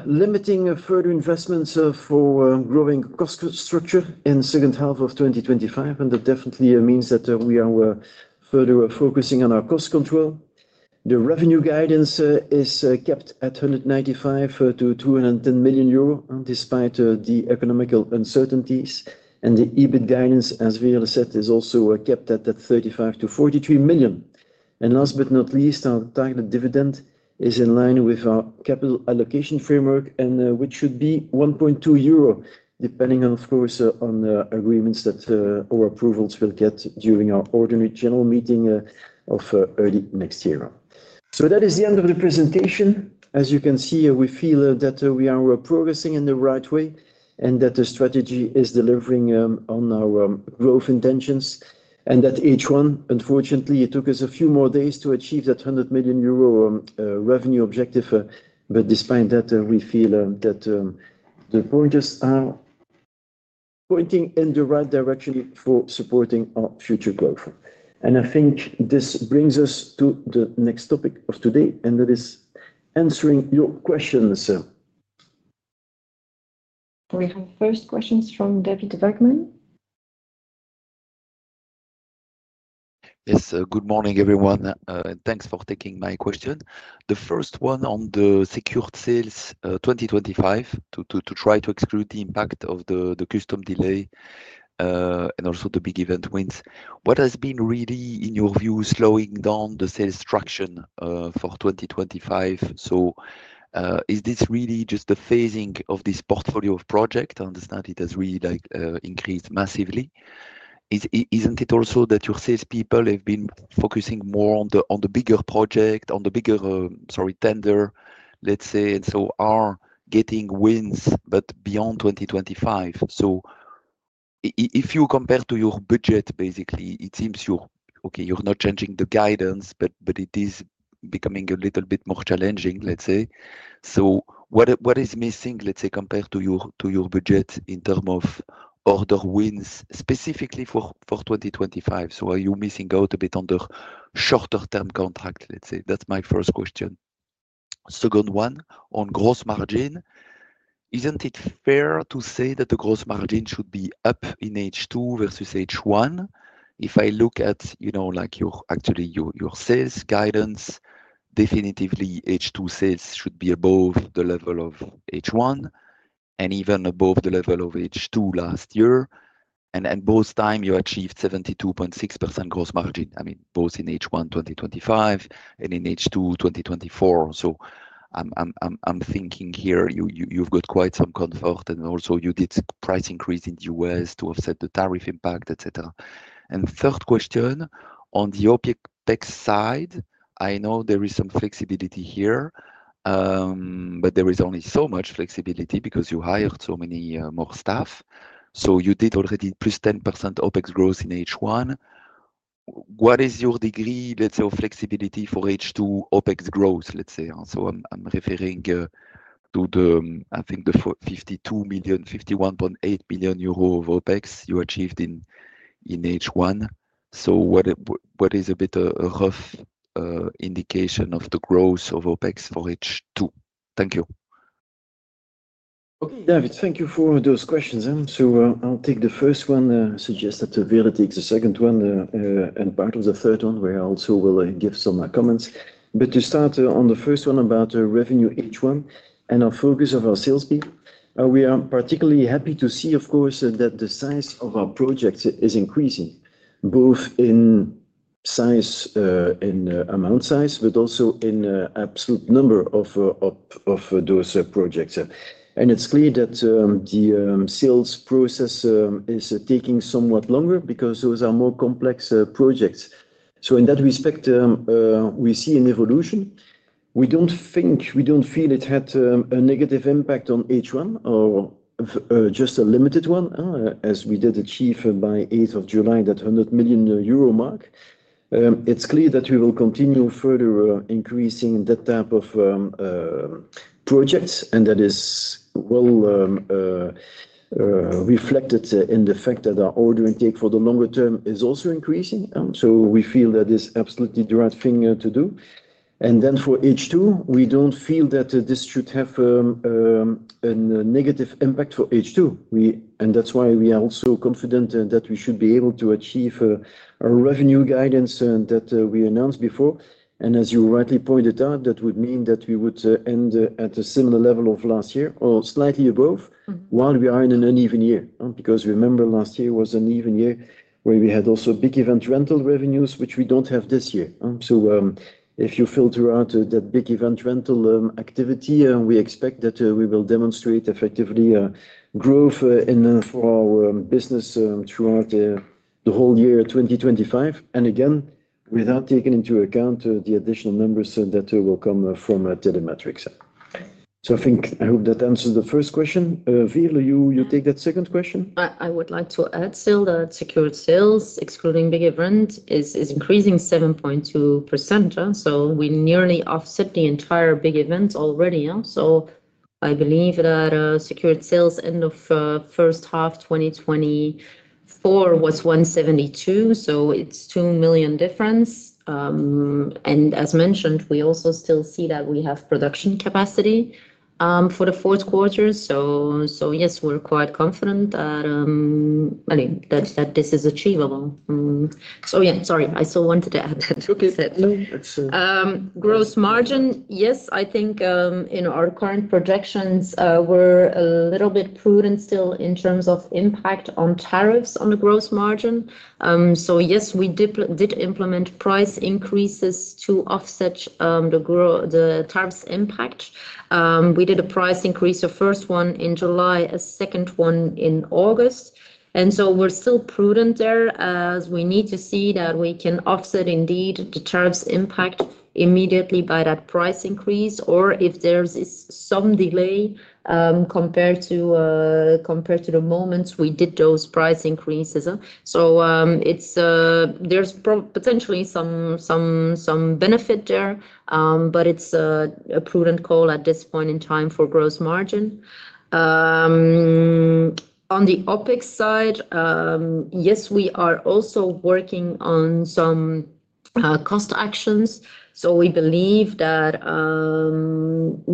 limiting further investments for growing cost structure in the second half of 2025. That definitely means that we are further focusing on our cost control. The revenue guidance is kept at 195-210 million euro, despite the economical uncertainties. The EBIT guidance, as Veerle said, is also kept at that 35-43 million. Last but not least, our target dividend is in line with our capital allocation framework, which should be 1.2 euro, depending on, of course, on the agreements that our approvals will get during our ordinary general meeting of early next year. That is the end of the presentation. As you can see, we feel that we are progressing in the right way and that the strategy is delivering on our growth intentions. H1, unfortunately, it took us a few more days to achieve that 100 million euro revenue objective. Despite that, we feel that the pointers are pointing in the right direction for supporting our future growth. I think this brings us to the next topic of today, and that is answering your questions. We have first questions from David Wegman. Yes, good morning, everyone. Thanks for taking my question. The first one on the secured sales 2025, to try to exclude the impact of the custom delay and also the big event wins. What has been really, in your view, slowing down the sales traction for 2025? Is this really just the phasing of this portfolio of projects? I understand it has really increased massively. Isn't it also that your salespeople have been focusing more on the bigger project, on the bigger, sorry, tender, let's say, and so are getting wins, but beyond 2025? If you compare to your budget, basically, it seems you're okay, you're not changing the guidance, but it is becoming a little bit more challenging, let's say. What is missing, let's say, compared to your budget in terms of order wins, specifically for 2025? Are you missing out a bit on the shorter-term contract, let's say? That's my first question. Second one on gross margin. Isn't it fair to say that the gross margin should be up in H2 versus H1? If I look at, you know, like your actually your sales guidance, definitely H2 sales should be above the level of H1 and even above the level of H2 last year. Both times you achieved 72.6% gross margin, I mean, both in H1 2025 and in H2 2024. I'm thinking here you've got quite some comfort and also you did price increase in the U.S. to offset the tariff impact, etc. Third question on the OpEx side, I know there is some flexibility here, but there is only so much flexibility because you hired so many more staff. You did already +10% OpEx growth in H1. What is your degree, let's say, of flexibility for H2 OpEx growth, let's say? I'm referring to the, I think, the 52 million, 51.8 million euro of OpEx you achieved in H1. What is a bit of a rough indication of the growth of OpEx for H2? Thank you. David, thank you for those questions. I'll take the first one. I suggest that Veerle takes the second one and part of the third one, where I also will give some comments. To start on the first one about revenue H1 and our focus of our sales team, we are particularly happy to see, of course, that the size of our projects is increasing, both in size, in amount size, but also in the absolute number of those projects. It's clear that the sales process is taking somewhat longer because those are more complex projects. In that respect, we see an evolution. We don't think, we don't feel it had a negative impact on H1 or just a limited one, as we did achieve by July 8th that 100 million euro mark. It's clear that we will continue further increasing that type of projects. That is well reflected in the fact that our order intake for the longer term is also increasing. We feel that it's absolutely the right thing to do. For H2, we don't feel that this should have a negative impact for H2. That's why we are also confident that we should be able to achieve our revenue guidance that we announced before. As you rightly pointed out, that would mean that we would end at a similar level of last year or slightly above while we are in an uneven year. Remember, last year was an uneven year where we had also big event rental revenues, which we don't have this year. If you filter out that big event rental activity, we expect that we will demonstrate effectively growth for our business throughout the whole year 2025. Again, without taking into account the additional numbers that will come from Telemetrics. I think I hope that answers the first question. Veerle, you take that second question? I would like to add still that secured sales, excluding big events, is increasing 7.2%. We nearly offset the entire big event already. I believe that secured sales end of first half 2024 was 172 million, so it's 2 million difference. As mentioned, we also still see that we have production capacity for the fourth quarter. Yes, we're quite confident that this is achievable. Sorry, I still wanted to add that. Okay. Gross margin, yes, I think in our current projections, we're a little bit prudent still in terms of impact on tariffs on the gross margin. Yes, we did implement price increases to offset the tariffs impact. We did a price increase, the first one in July, a second one in August. We're still prudent there as we need to see that we can offset indeed the tariffs impact immediately by that price increase or if there's some delay compared to the moments we did those price increases. There's potentially some benefit there, but it's a prudent call at this point in time for gross margin. On the OpEx side, yes, we are also working on some cost actions. We believe that,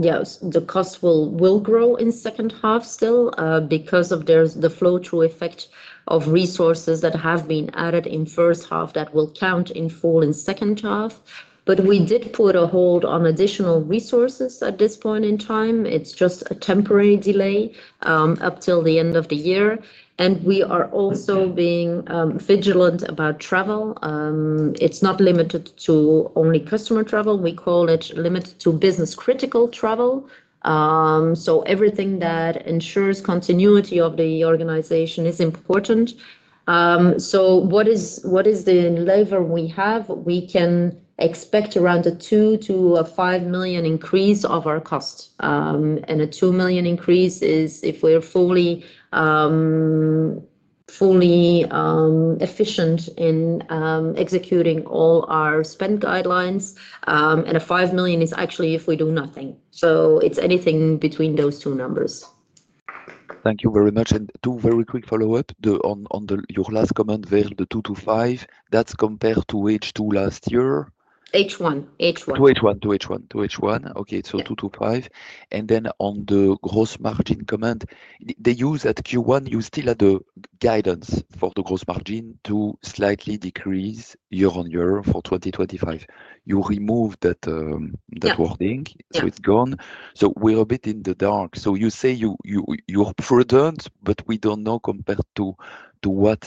yes, the cost will grow in the second half still because of the flow-through effect of resources that have been added in the first half that will count in full in the second half. We did put a hold on additional resources at this point in time. It's just a temporary delay up till the end of the year. We are also being vigilant about travel. It's not limited to only customer travel. We call it limited to business-critical travel. Everything that ensures continuity of the organization is important. What is the lever we have? We can expect around a 2 million to a 5 million increase of our cost. A 2 million increase is if we're fully efficient in executing all our spend guidelines. A 5 million is actually if we do nothing. It's anything between those two numbers. Thank you very much. Two very quick follow-ups on your last comment, Veerle, the 2-5. That's compared to H2 last year. H1. To H1. Okay, so 2-5. On the gross margin comment, at Q1, you still had the guidance for the gross margin to slightly decrease year-on-year for 2025. You removed that wording. It's gone, so we're a bit in the dark. You say you're prudent, but we don't know compared to what.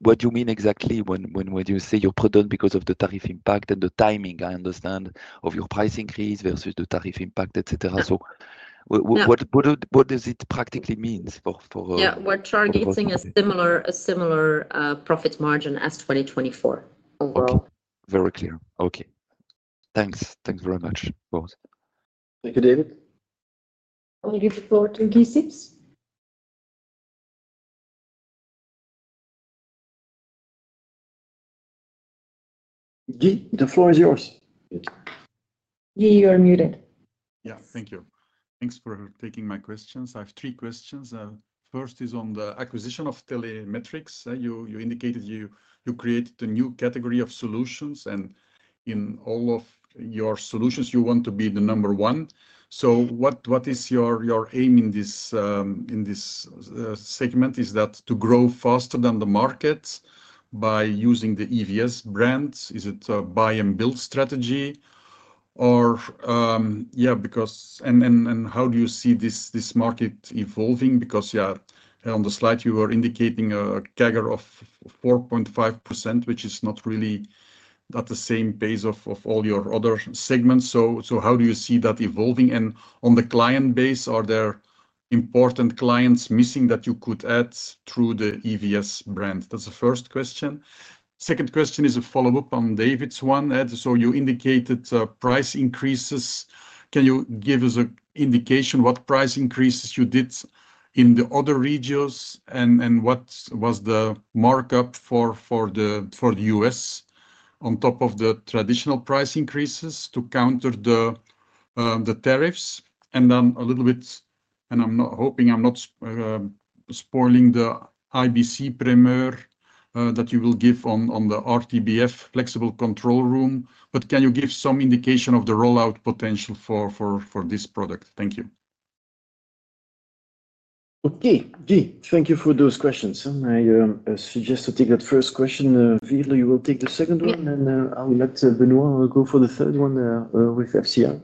What do you mean exactly when you say you're prudent because of the tariff impact and the timing, I understand, of your price increase versus the tariff impact, etc.? What does it practically mean? Yeah, we're targeting a similar profit margin as 2024 overall. Okay, very clear. Okay, thanks. Thanks very much, both. Thank you, David. I'll give the floor to Guy Sips. Guy, the floor is yours. Guy, you're muted. Thank you. Thanks for taking my questions. I have three questions. First is on the acquisition of Telemetrics. You indicated you created a new category of solutions, and in all of your solutions, you want to be the number one. What is your aim in this segment? Is that to grow faster than the market by using the EVS brand? Is it a buy and build strategy? How do you see this market evolving? On the slide, you were indicating a CAGR of 4.5%, which is not really at the same pace of all your other segments. How do you see that evolving? On the client base, are there important clients missing that you could add through the EVS brand? That's the first question. Second question is a follow-up on David's one. You indicated price increases. Can you give us an indication what price increases you did in the other regions and what was the markup for the U.S. on top of the traditional price increases to counter the tariffs? I'm hoping I'm not spoiling the IBC primer that you will give on the RTBF flexible control room, but can you give some indication of the rollout potential for this product? Thank you. Okay, Guy, thank you for those questions. I suggest to take that first question. Veerle, you will take the second one, and I'll let Benoit go for the third one with FCR.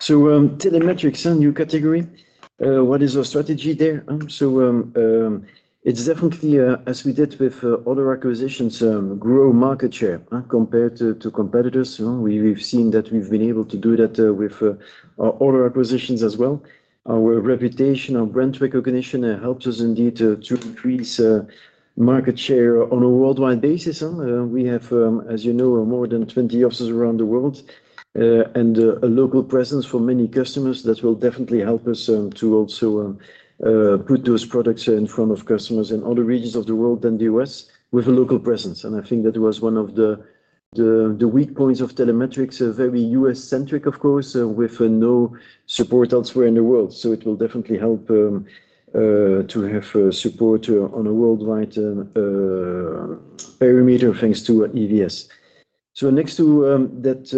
Telemetrics, a new category. What is your strategy there? It's definitely, as we did with other acquisitions, grow market share compared to competitors. We've seen that we've been able to do that with our other acquisitions as well. Our reputation, our brand recognition helps us indeed to increase market share on a worldwide basis. We have, as you know, more than 20 offices around the world and a local presence for many customers that will definitely help us to also. Put Those products in front of customers in other regions of the world than the U.S., with a local presence. I think that was one of the weak points of Telemetrics, very U.S.-centric, of course, with no support elsewhere in the world. It will definitely help to have support on a worldwide perimeter thanks to EVS. Next to that,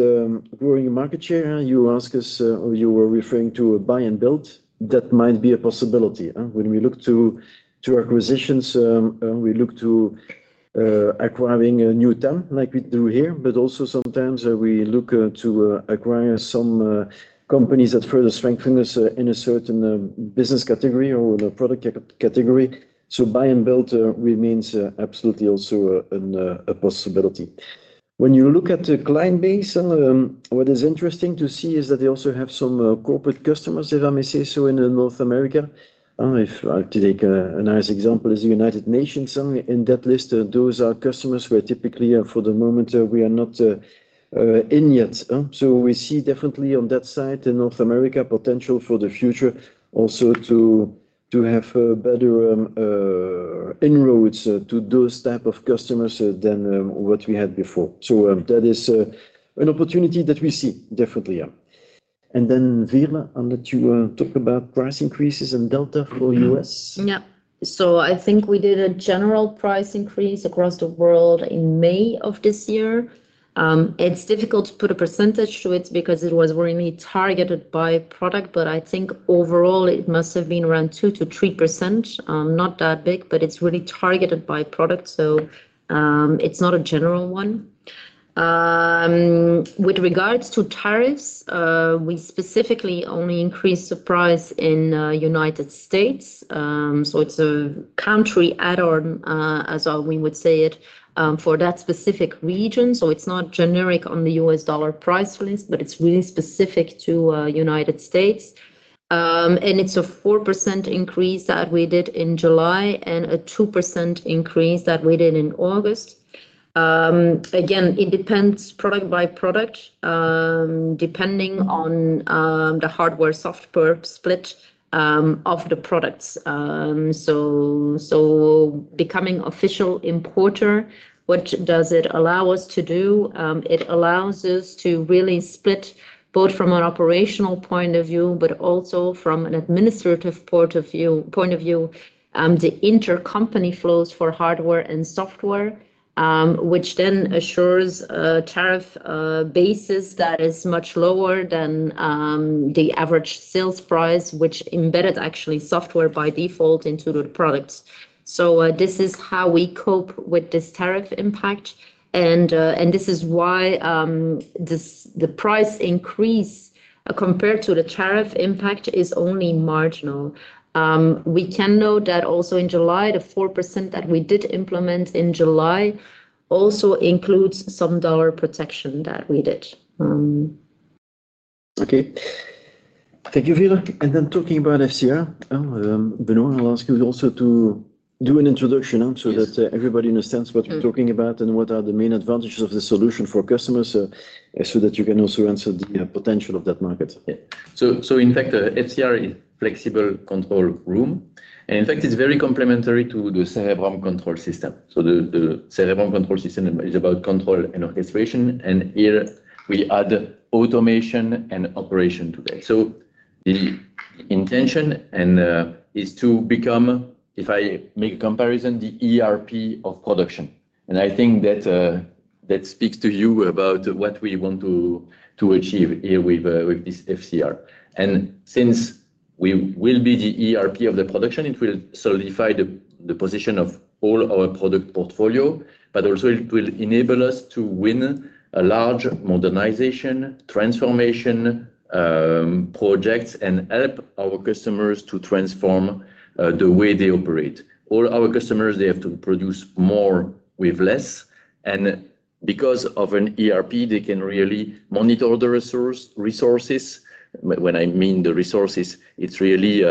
growing market share, you asked us, or you were referring to a buy and build. That might be a possibility. When we look to acquisitions, we look to acquiring a new team, like we do here, but also sometimes we look to acquire some companies that further strengthen us in a certain business category or in a product category. Buy and build remains absolutely also a possibility. When you look at the client base, what is interesting to see is that they also have some corporate customers, if I may say so, in North America. If I take a nice example as the United Nations in that list, those are customers where typically, for the moment, we are not in yet. We see definitely on that side in North America potential for the future also to have better inroads to those types of customers than what we had before. That is an opportunity that we see definitely. Veerle, I'll let you talk about price increases and delta for the U.S. Yeah. I think we did a general price increase across the world in May of this year. It's difficult to put a percentage to it because it was really targeted by product. I think overall it must have been around 2%-3%. Not that big, but it's really targeted by product. It's not a general one. With regards to tariffs, we specifically only increased the price in the United States. It's a country add-on, as we would say it, for that specific region. It's not generic on the US dollar price list, but it's really specific to the United States. It's a 4% increase that we did in July and a 2% increase that we did in August. Again, it depends product by product, depending on the hardware-software split of the products. Becoming an official importer, what does it allow us to do? It allows us to really split both from an operational point of view, but also from an administrative point of view, the intercompany flows for hardware and software, which then assures a tariff basis that is much lower than the average sales price, which embedded actually software by default into the products. This is how we cope with this tariff impact. This is why the price increase compared to the tariff impact is only marginal. We can note that also in July, the 4% that we did implement in July also includes some dollar protection that we did. Okay. Thank you, Veerle. Talking about FCR, Benoit, I'll ask you also to do an introduction so that everybody understands what we're talking about and what are the main advantages of the solution for customers, so that you can also answer the potential of that market. Yeah. In fact, FCR is a flexible control room. It's very complementary to the Cerebrum control system. The Cerebrum control system is about control and orchestration. Here we add automation and operation today. The intention is to become, if I make a comparison, the ERP of production. I think that speaks to you about what we want to achieve here with this FCR. Since we will be the ERP of the production, it will solidify the position of all our product portfolio, but also it will enable us to win a large modernization, transformation project, and help our customers to transform the way they operate. All our customers have to produce more with less. Because of an ERP, they can really monitor the resources. When I mean the resources, it's really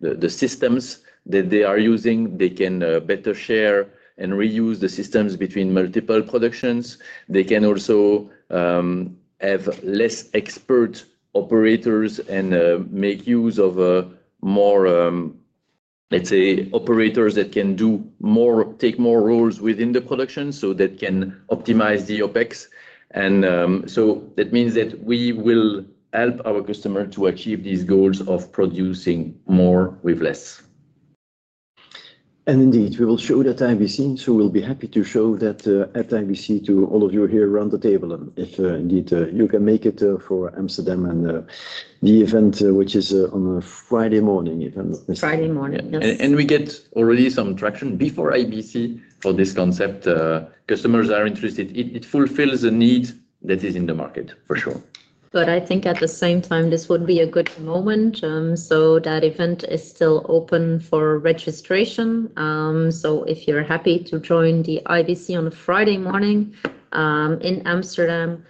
the systems that they are using. They can better share and reuse the systems between multiple productions. They can also have less expert operators and make use of more, let's say, operators that can take more roles within the production so that can optimize the OpEx. That means that we will help our customer to achieve these goals of producing more with less. Indeed, we will show that at IBC. We'll be happy to show that at IBC to all of you here around the table if you can make it for Amsterdam and the event, which is on a Friday morning. Friday morning. We get already some traction before IBC for this concept. Customers are interested. It fulfills the need that is in the market, for sure. I think at the same time, this would be a good moment. That event is still open for registration. If you're happy to join the IBC on a Friday morning in Amsterdam,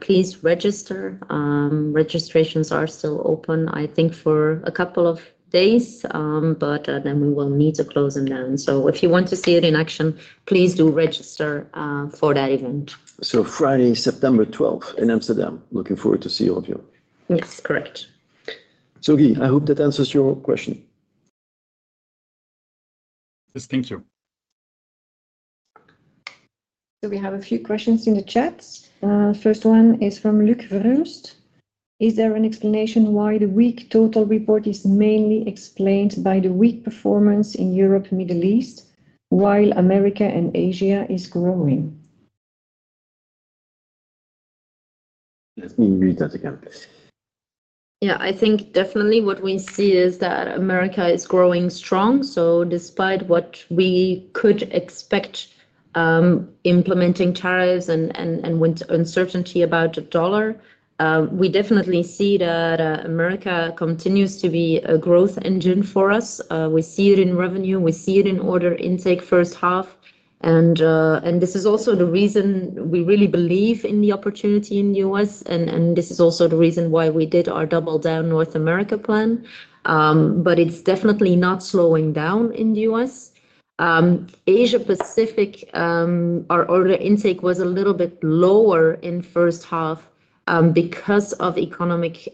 please register. Registrations are still open for a couple of days, but then we will need to close them down. If you want to see it in action, please do register for that event. Friday, September 12 in Amsterdam. Looking forward to seeing all of you. Yes, correct. Guy, I hope that answers your question. Yes, thank you. We have a few questions in the chat. The first one is from Luc Verhunst. Is there an explanation why the weak total report is mainly explained by the weak performance in Europe and the Middle East, while America and Asia are growing? Let me read that again. Yeah, I think definitely what we see is that America is growing strong. Despite what we could expect, implementing tariffs and uncertainty about the dollar, we definitely see that America continues to be a growth engine for us. We see it in revenue. We see it in order intake first half. This is also the reason we really believe in the opportunity in the U.S. This is also the reason why we did our double down North America plan. It's definitely not slowing down in the U.S. Asia Pacific, our order intake was a little bit lower in the first half because of economic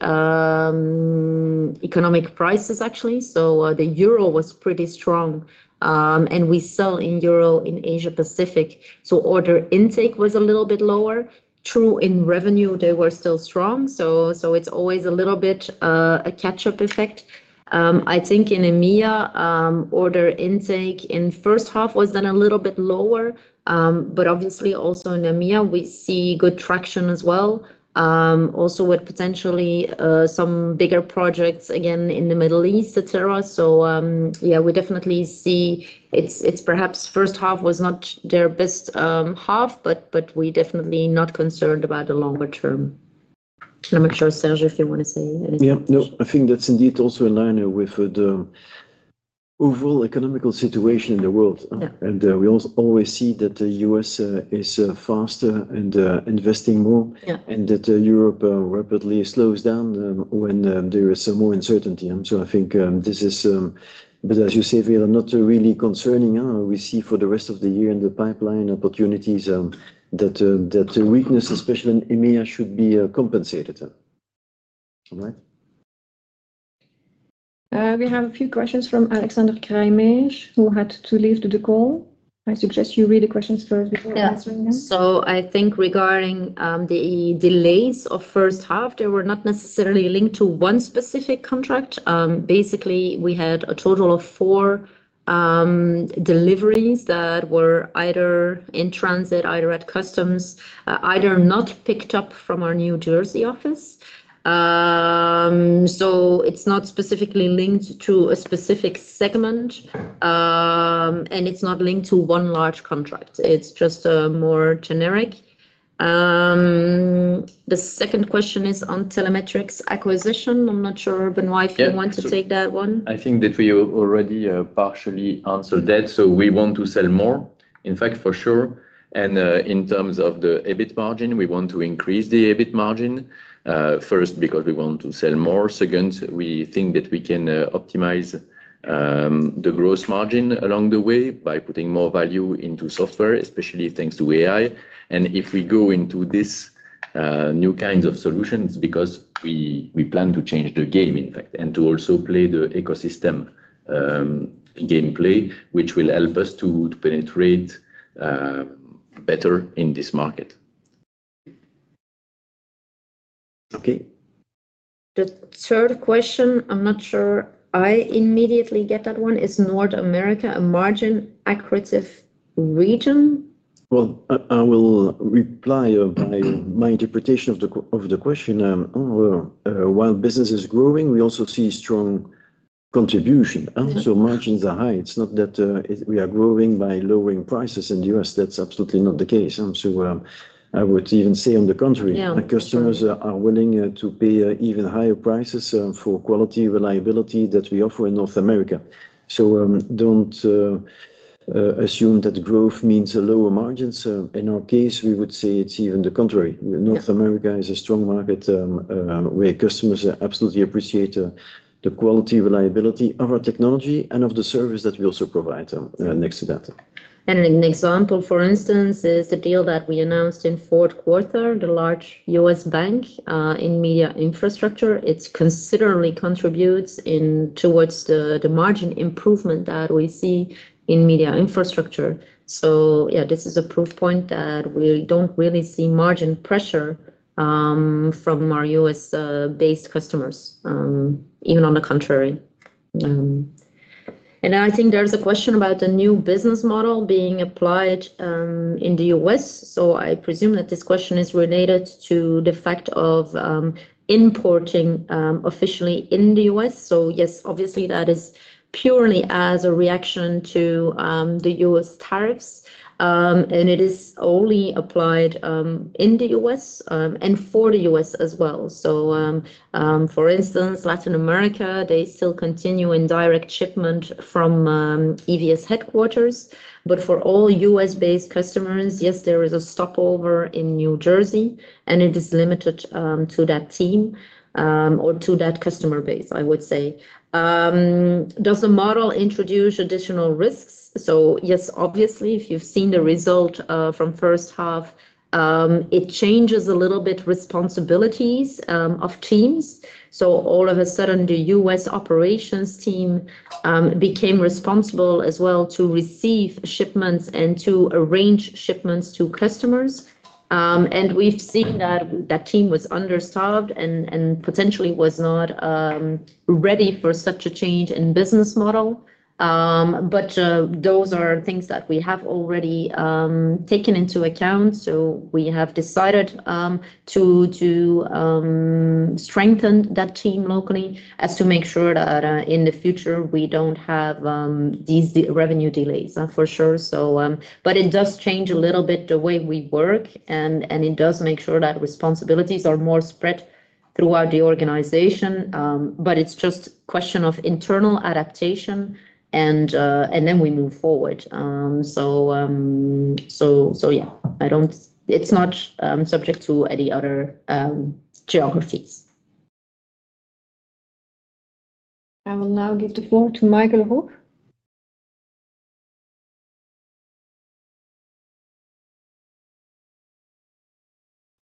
prices, actually. The euro was pretty strong, and we sell in euro in Asia Pacific, so order intake was a little bit lower. True, in revenue, they were still strong. It's always a little bit a catch-up effect. I think in EMEA, order intake in the first half was then a little bit lower. Obviously, also in EMEA, we see good traction as well, also with potentially some bigger projects again in the Middle East, etc. We definitely see it's perhaps the first half was not their best half, but we're definitely not concerned about the longer term. I'm not sure, Serge, if you want to say anything. Yeah, no, I think that's indeed also in line with the overall economical situation in the world. We also always see that the U.S. is faster and investing more, and that Europe rapidly slows down when there is more uncertainty. I think this is, as you say, Veerle, not really concerning. We see for the rest of the year in the pipeline opportunities that weakness, especially in EMEA, should be compensated. We have a few questions from Alexander Craeymeersch, who had to leave the call. I suggest you read the questions first before answering them. I think regarding the delays of the first half, they were not necessarily linked to one specific contract. Basically, we had a total of four deliveries that were either in transit, at customs, or not picked up from our New Jersey office. It's not specifically linked to a specific segment, and it's not linked to one large contract. It's just more generic. The second question is on the Telemetrics acquisition. I'm not sure, Benoit, if you want to take that one. I think that we already partially answered that. We want to sell more, in fact, for sure. In terms of the EBIT margin, we want to increase the EBIT margin. First, because we want to sell more. Second, we think that we can optimize the gross margin along the way by putting more value into software, especially thanks to AI. If we go into these new kinds of solutions, it's because we plan to change the game, in fact, and to also play the ecosystem gameplay, which will help us to penetrate better in this market. Okay. The third question, I'm not sure I immediately get that one. Is North America a margin-aggressive region? I will reply by my interpretation of the question. While business is growing, we also see strong contribution. Margins are high. It's not that we are growing by lowering prices in the U.S. That's absolutely not the case. I would even say on the contrary. Customers are willing to pay even higher prices for quality and reliability that we offer in North America. Don't assume that growth means lower margins. In our case, we would say it's even the contrary. North America is a strong market where customers absolutely appreciate the quality and reliability of our technology and of the service that we also provide next to that. An example, for instance, is the deal that we announced in the fourth quarter, the large U.S. bank in media infrastructure. It considerably contributes towards the margin improvement that we see in media infrastructure. This is a proof point that we don't really see margin pressure from our U.S.-based customers, even on the contrary. I think there's a question about the new business model being applied in the U.S. I presume that this question is related to the fact of importing officially in the U.S. Yes, obviously, that is purely as a reaction to the U.S. tariffs. It is only applied in the U.S. and for the U.S. as well. For instance, Latin America still continues in direct shipment from EVS headquarters. For all U.S.-based customers, yes, there is a stopover in New Jersey, and it is limited to that team or to that customer base, I would say. Does the model introduce additional risks? Yes, obviously, if you've seen the result from the first half, it changes a little bit responsibilities of teams. All of a sudden, the U.S. operations team became responsible as well to receive shipments and to arrange shipments to customers. We've seen that that team was underserved and potentially was not ready for such a change in the business model. Those are things that we have already taken into account. We have decided to strengthen that team locally as to make sure that in the future, we don't have these revenue delays, for sure. It does change a little bit the way we work, and it does make sure that responsibilities are more spread throughout the organization. It's just a question of internal adaptation, and then we move forward. I don't, it's not subject to any other geographies. I will now give the floor to Michael Roeg.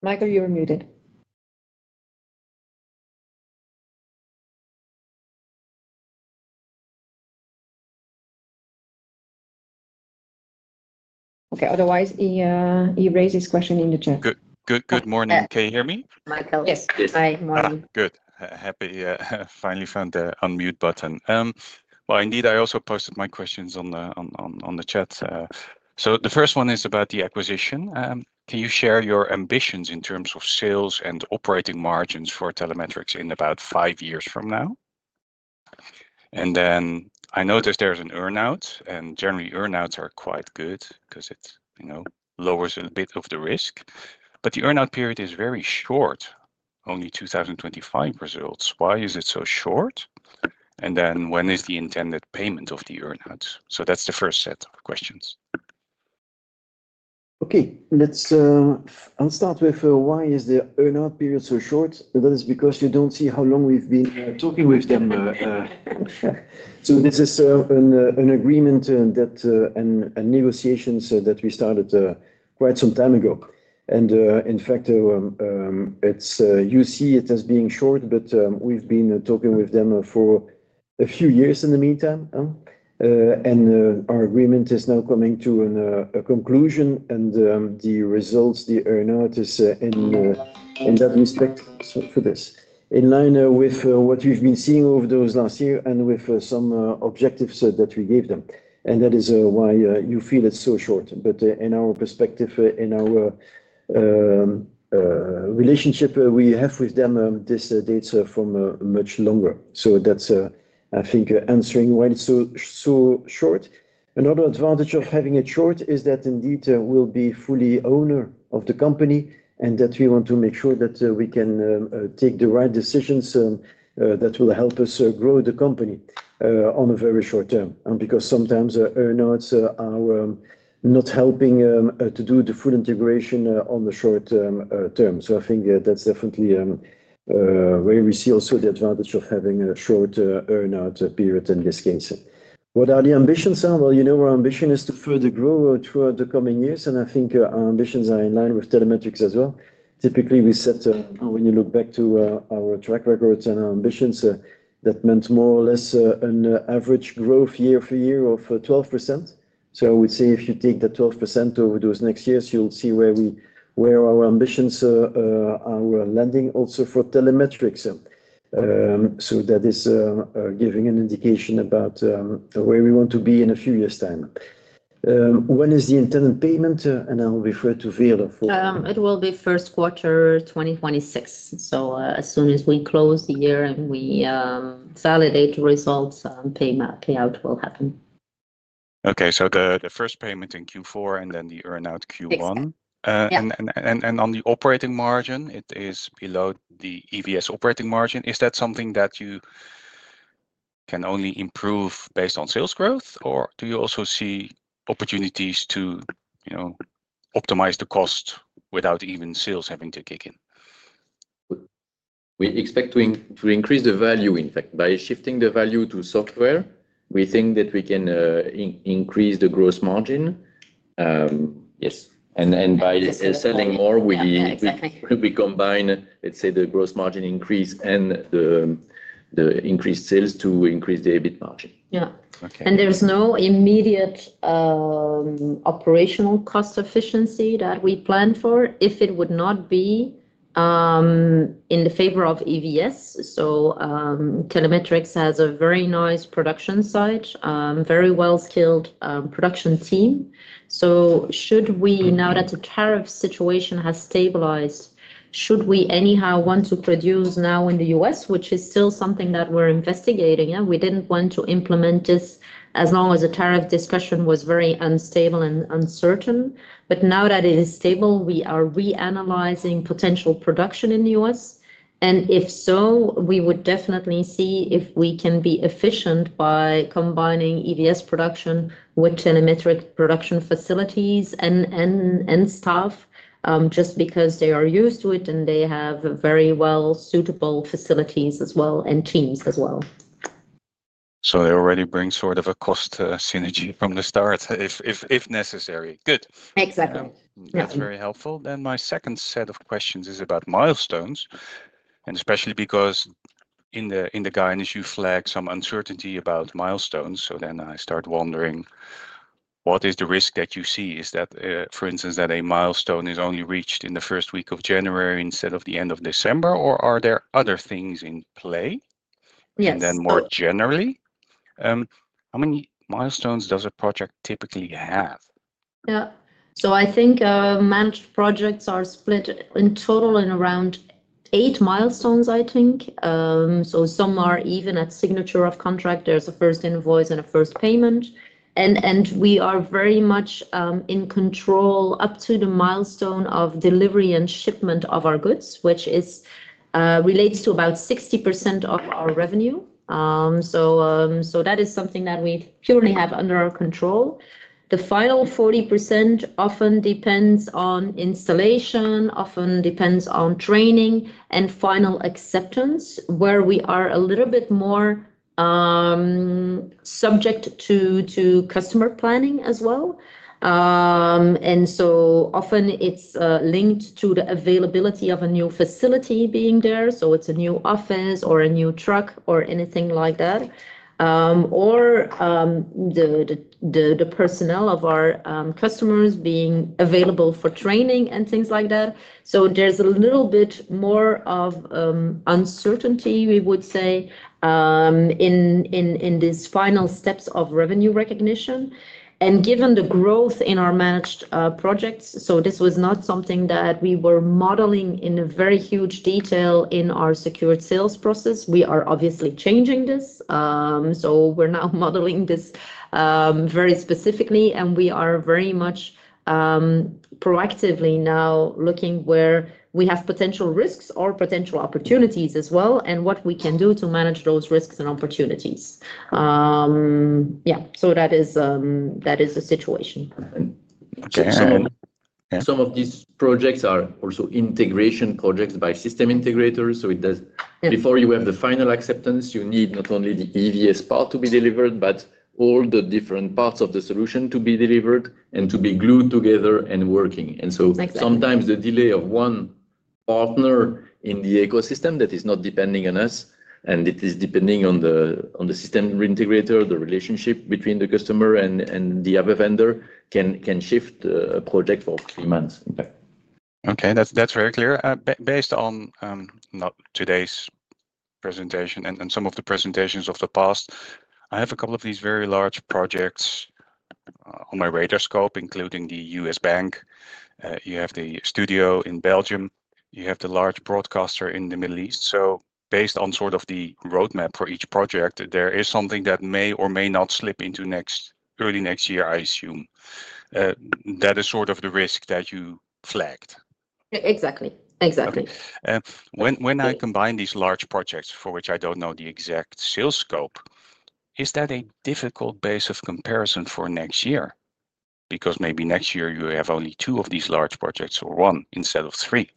Michael, you're muted. Otherwise, he raised his question in the chat. Good morning. Can you hear me? Michael. Yes, yes. Hi, good morning. Good. Happy. I finally found the unmute button. I also posted my questions on the chat. The first one is about the acquisition. Can you share your ambitions in terms of sales and operating margins for Telemetrics in about five years from now? I noticed there's an earnout, and generally, earnouts are quite good because it lowers a bit of the risk. The earnout period is very short, only 2025 results. Why is it so short? When is the intended payment of the earnout? That's the first set of questions. Okay. I'll start with why is the earnout period so short. That is because you don't see how long we've been talking with them. This is an agreement and negotiations that we started quite some time ago. In fact, you see it as being short, but we've been talking with them for a few years in the meantime. Our agreement is now coming to a conclusion, and the results, the earnout is in that respect for this, in line with what we've been seeing over those last year and with some objectives that we gave them. That is why you feel it's so short. In our perspective, in our relationship we have with them, this dates from much longer. I think that's answering why it's so short. Another advantage of having it short is that indeed we'll be fully owner of the company and that we want to make sure that we can take the right decisions that will help us grow the company on a very short term because sometimes earnouts are not helping to do the full integration on the short term. I think that's definitely where we see also the advantage of having a short earnout period in these things. What are the ambitions? You know our ambition is to further grow throughout the coming years. I think our ambitions are in line with Telemetrics as well. Typically, we set, when you look back to our track records and our ambitions, that meant more or less an average growth year-for-year of 12%. I would say if you take that 12% over those next years, you'll see where our ambitions are landing also for Telemetrics. That is giving an indication about where we want to be in a few years' time. When is the intended payment? I'll refer to Veerle for. It will be first quarter 2026. As soon as we close the year and we validate the results, payout will happen. Okay. The first payment in Q4 and then the earnout Q1. On the operating margin, it is below the EVS operating margin. Is that something that you can only improve based on sales growth, or do you also see opportunities to optimize the cost without even sales having to kick in? We expect to increase the value, in fact. By shifting the value to software, we think that we can increase the gross margin. Yes, and by selling more, we combine, let's say, the gross margin increase and the increased sales to increase the EBIT margin. Yeah. There's no immediate operational cost efficiency that we plan for if it would not be in the favor of EVS. Telemetrics has a very nice production site, very well-skilled production team. Now that the tariff situation has stabilized, should we anyhow want to produce now in the U.S., which is still something that we're investigating? We didn't want to implement this as long as the tariff discussion was very unstable and uncertain. Now that it is stable, we are reanalyzing potential production in the U.S. If so, we would definitely see if we can be efficient by combining EVS production with Telemetrics production facilities and staff just because they are used to it and they have very well-suitable facilities and teams as well. They already bring sort of a cost synergy from the start if necessary. Good. Exactly. That's very helpful. My second set of questions is about milestones, especially because in the guidance, you flag some uncertainty about milestones. I start wondering, what is the risk that you see? Is that, for instance, that a milestone is only reached in the first week of January instead of the end of December, or are there other things in play? Yes. More generally, how many milestones does a project typically have? Yeah. I think managed projects are split in total in around eight milestones, I think. Some are even at signature of contract. There's a first invoice and a first payment. We are very much in control up to the milestone of delivery and shipment of our goods, which relates to about 60% of our revenue. That is something that we purely have under our control. The final 40% often depends on installation, often depends on training and final acceptance, where we are a little bit more subject to customer planning as well. Often it's linked to the availability of a new facility being there, like a new office or a new truck or anything like that, or the personnel of our customers being available for training and things like that. There's a little bit more uncertainty, we would say, in these final steps of revenue recognition. Given the growth in our managed projects, this was not something that we were modeling in very huge detail in our secured sales process. We are obviously changing this. We are now modeling this very specifically. We are very much proactively now looking where we have potential risks or potential opportunities as well and what we can do to manage those risks and opportunities. That is a situation. Some of these projects are also integration projects by system integrators. Before you have the final acceptance, you need not only the EVS part to be delivered, but all the different parts of the solution to be delivered and to be glued together and working. Sometimes the delay of one partner in the ecosystem that is not depending on us and it is depending on the system integrator, the relationship between the customer and the other vendor can shift a project for a few months. Okay. That's very clear. Based on not today's presentation and some of the presentations of the past, I have a couple of these very large projects on my radar scope, including the U.S. bank. You have the studio in Belgium. You have the large broadcaster in the Middle East. Based on sort of the roadmap for each project, there is something that may or may not slip into early next year, I assume. That is sort of the risk that you flagged. Exactly. Exactly. When I combine these large projects, for which I don't know the exact sales scope, is that a difficult base of comparison for next year? Because maybe next year you have only two of these large projects or one instead of three.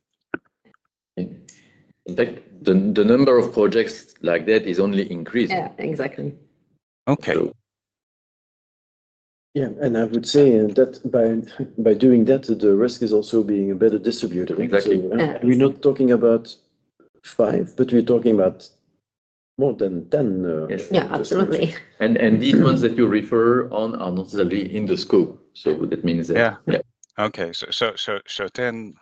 In fact, the number of projects like that is only increasing. Yeah, exactly. Okay. I would say that by doing that, the risk is also being a better distributor. Exactly. We're not talking about five, but we're talking about more than 10. Yeah, absolutely. These ones that you refer on are not really in the scope. That means that. Okay. 10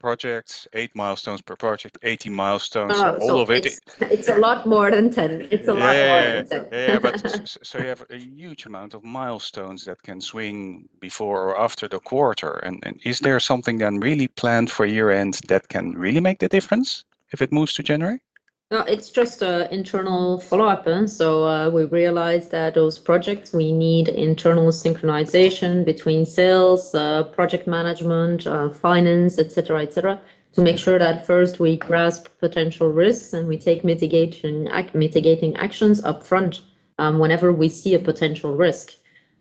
projects, eight milestones per project, 80 milestones, all of it. It's a lot more than 10. It's a lot more than 10. You have a huge amount of milestones that can swing before or after the quarter. Is there something then really planned for year-end that can really make the difference if it moves to January? No, it's just an internal follow-up. We realized that those projects, we need internal synchronization between sales, project management, finance, etc., to make sure that first we grasp potential risks and we take mitigating actions upfront whenever we see a potential risk.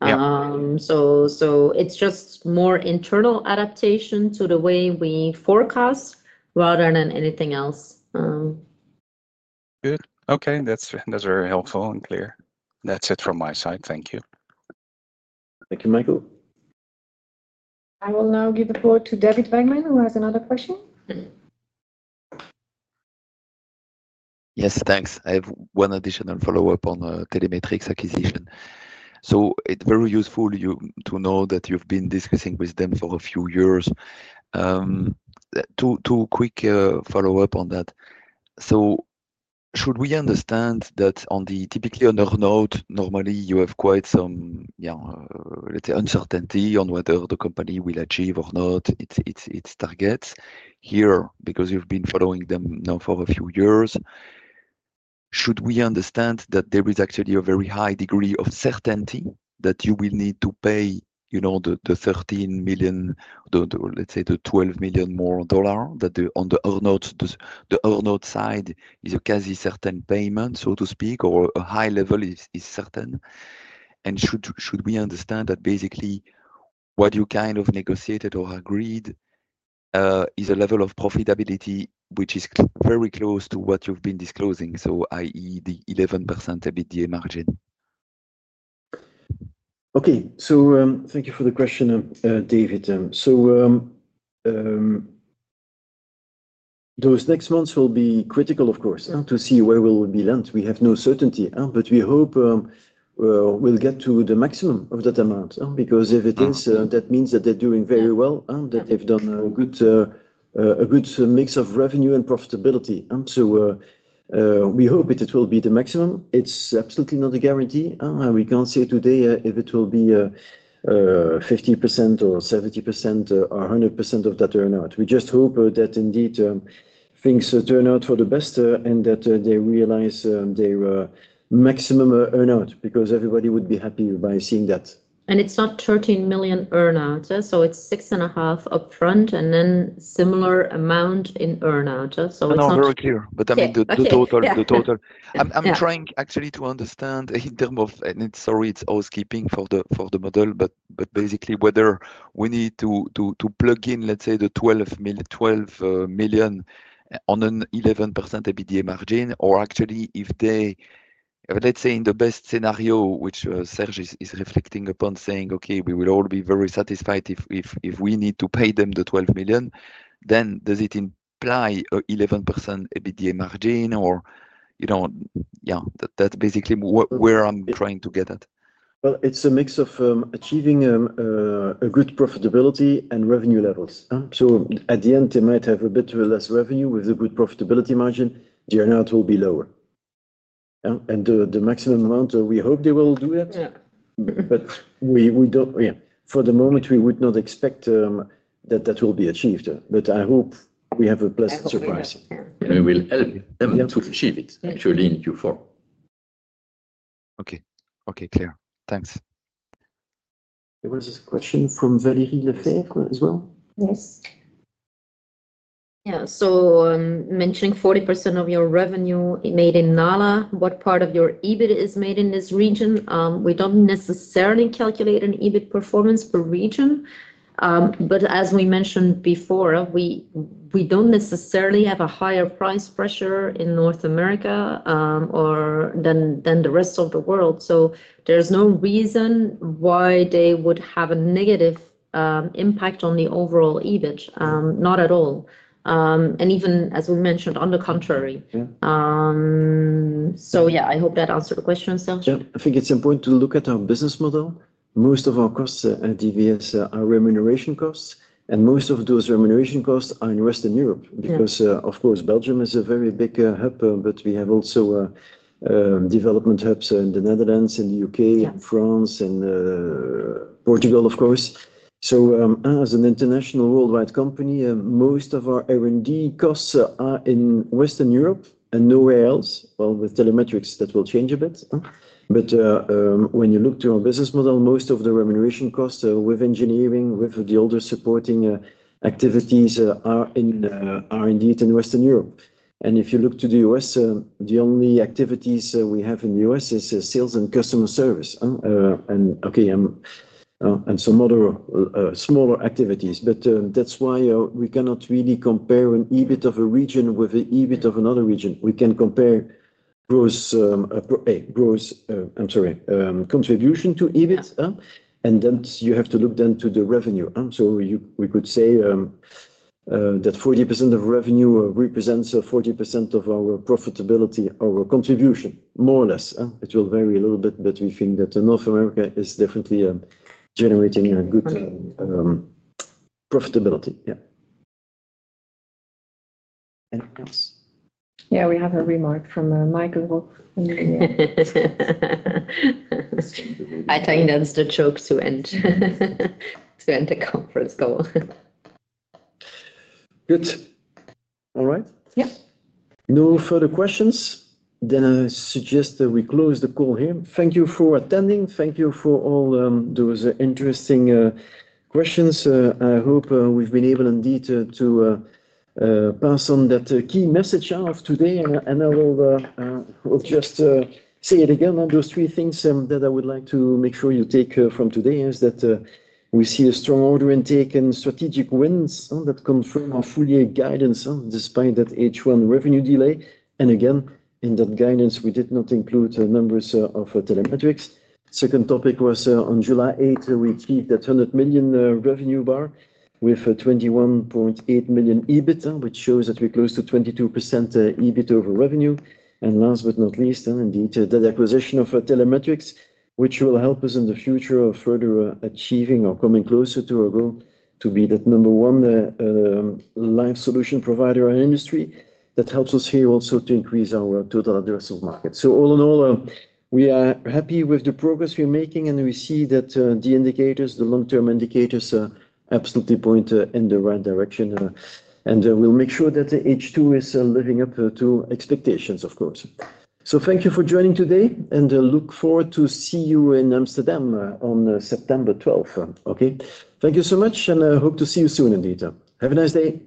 It's just more internal adaptation to the way we forecast rather than anything else. Okay. That's very helpful and clear. That's it from my side. Thank you. Thank you, Michael. I will now give the floor to David Wegmann, who has another question. Yes, thanks. I have one additional follow-up on the Telemetrics acquisition. It's very useful to know that you've been discussing with them for a few years. Two quick follow-ups on that. Should we understand that typically on earnout, normally, you have quite some, yeah, let's say, uncertainty on whether the company will achieve or not its targets here because you've been following them now for a few years. Should we understand that there is actually a very high degree of certainty that you will need to pay, you know, the 13 million, let's say, the EUR 12 million more that on the earnout side is a quasi-certain payment, so to speak, or a high level is certain? Should we understand that basically what you kind of negotiated or agreed is a level of profitability which is very close to what you've been disclosing, so i.e., the 11% EBITDA margin? Okay. Thank you for the question, David. Those next months will be critical, of course, to see where we will be landed. We have no certainty, but we hope we'll get to the maximum of that amount because if it is, that means that they're doing very well and that they've done a good mix of revenue and profitability. We hope that it will be the maximum. It's absolutely not a guarantee. We can't say today if it will be 50% or 70% or 100% of that earnout. We just hope that indeed things turn out for the best and that they realize their maximum earnout because everybody would be happy by seeing that. It is not EUR 13 million earnout. It is EUR 6.5 million upfront and then a similar amount in earnout. I'm not very clear, but I mean, the total. I'm trying actually to understand either of, and sorry, it's housekeeping for the model, but basically whether we need to plug in, let's say, the 12 million on an 11% EBITDA margin, or actually if they, let's say, in the best scenario, which Serge is reflecting upon, saying, "Okay, we will all be very satisfied if we need to pay them the 12 million," then does it imply an 11% EBITDA margin? You know, yeah, that's basically where I'm trying to get at. It's a mix of achieving a good profitability and revenue levels. At the end, they might have a bit less revenue with a good profitability margin. The earnout will be lower. The maximum amount, we hope they will do that. Yeah, for the moment, we would not expect that that will be achieved. I hope we have a pleasant surprise. We will help them to achieve it, actually, in Q4. Okay, clear. Thanks. There was a question from Valérie Lefebvre as well. Yes. Yeah. Mentioning 40% of your revenue made in Nala, what part of your EBIT is made in this region? We don't necessarily calculate an EBIT performance per region, but as we mentioned before, we don't necessarily have a higher price pressure in North America than the rest of the world. There's no reason why they would have a negative impact on the overall EBIT, not at all. Even, as we mentioned, on the contrary. I hope that answered the question, Serge. Yeah. I think it's important to look at our business model. Most of our costs at EVS are remuneration costs, and most of those remuneration costs are in Western Europe because, of course, Belgium is a very big hub, but we have also development hubs in the Netherlands, in the U.K., France, and Portugal, of course. As an international worldwide company, most of our R&D costs are in Western Europe and nowhere else. With Telemetrics that will change a bit. When you look to our business model, most of the remuneration costs with engineering, with the older supporting activities, are in R&D in Western Europe. If you look to the U.S., the only activities we have in the U.S. are sales and customer service, and some other smaller activities. That's why we cannot really compare an EBIT of a region with the EBIT of another region. We can compare gross, I'm sorry, contribution to EBIT. You have to look then to the revenue. We could say that 40% of revenue represents 40% of our profitability, our contribution, more or less. It will vary a little bit, but we think that North America is definitely generating a good profitability. Yeah. Anything else? Yeah, we have a remark from Michael in the middle. by telling that's the joke to end the conference call. Good. All right. Yeah. No further questions. I suggest that we close the call here. Thank you for attending. Thank you for all those interesting questions. I hope we've been able indeed to pass on that key message out of today. I will just say it again. Those three things that I would like to make sure you take from today is that we see a strong order intake and strategic wins that confirm our full-year guidance despite that H1 revenue delay. In that guidance, we did not include numbers of Telemetrics Inc. The second topic was on July 8th, we achieved that 100 million revenue bar with 21.8 million EBIT, which shows that we're close to 22% EBIT over revenue. Last but not least, indeed, that acquisition of Telemetrics Inc., which will help us in the future of further achieving or coming closer to our goal to be that number one live solution provider in our industry, that helps us here also to increase our total addressable market. All in all, we are happy with the progress we're making, and we see that the indicators, the long-term indicators, absolutely point in the right direction. We'll make sure that H2 is living up to expectations, of course. Thank you for joining today, and look forward to seeing you in Amsterdam on September 12th. Thank you so much, and I hope to see you soon in detail. Have a nice day.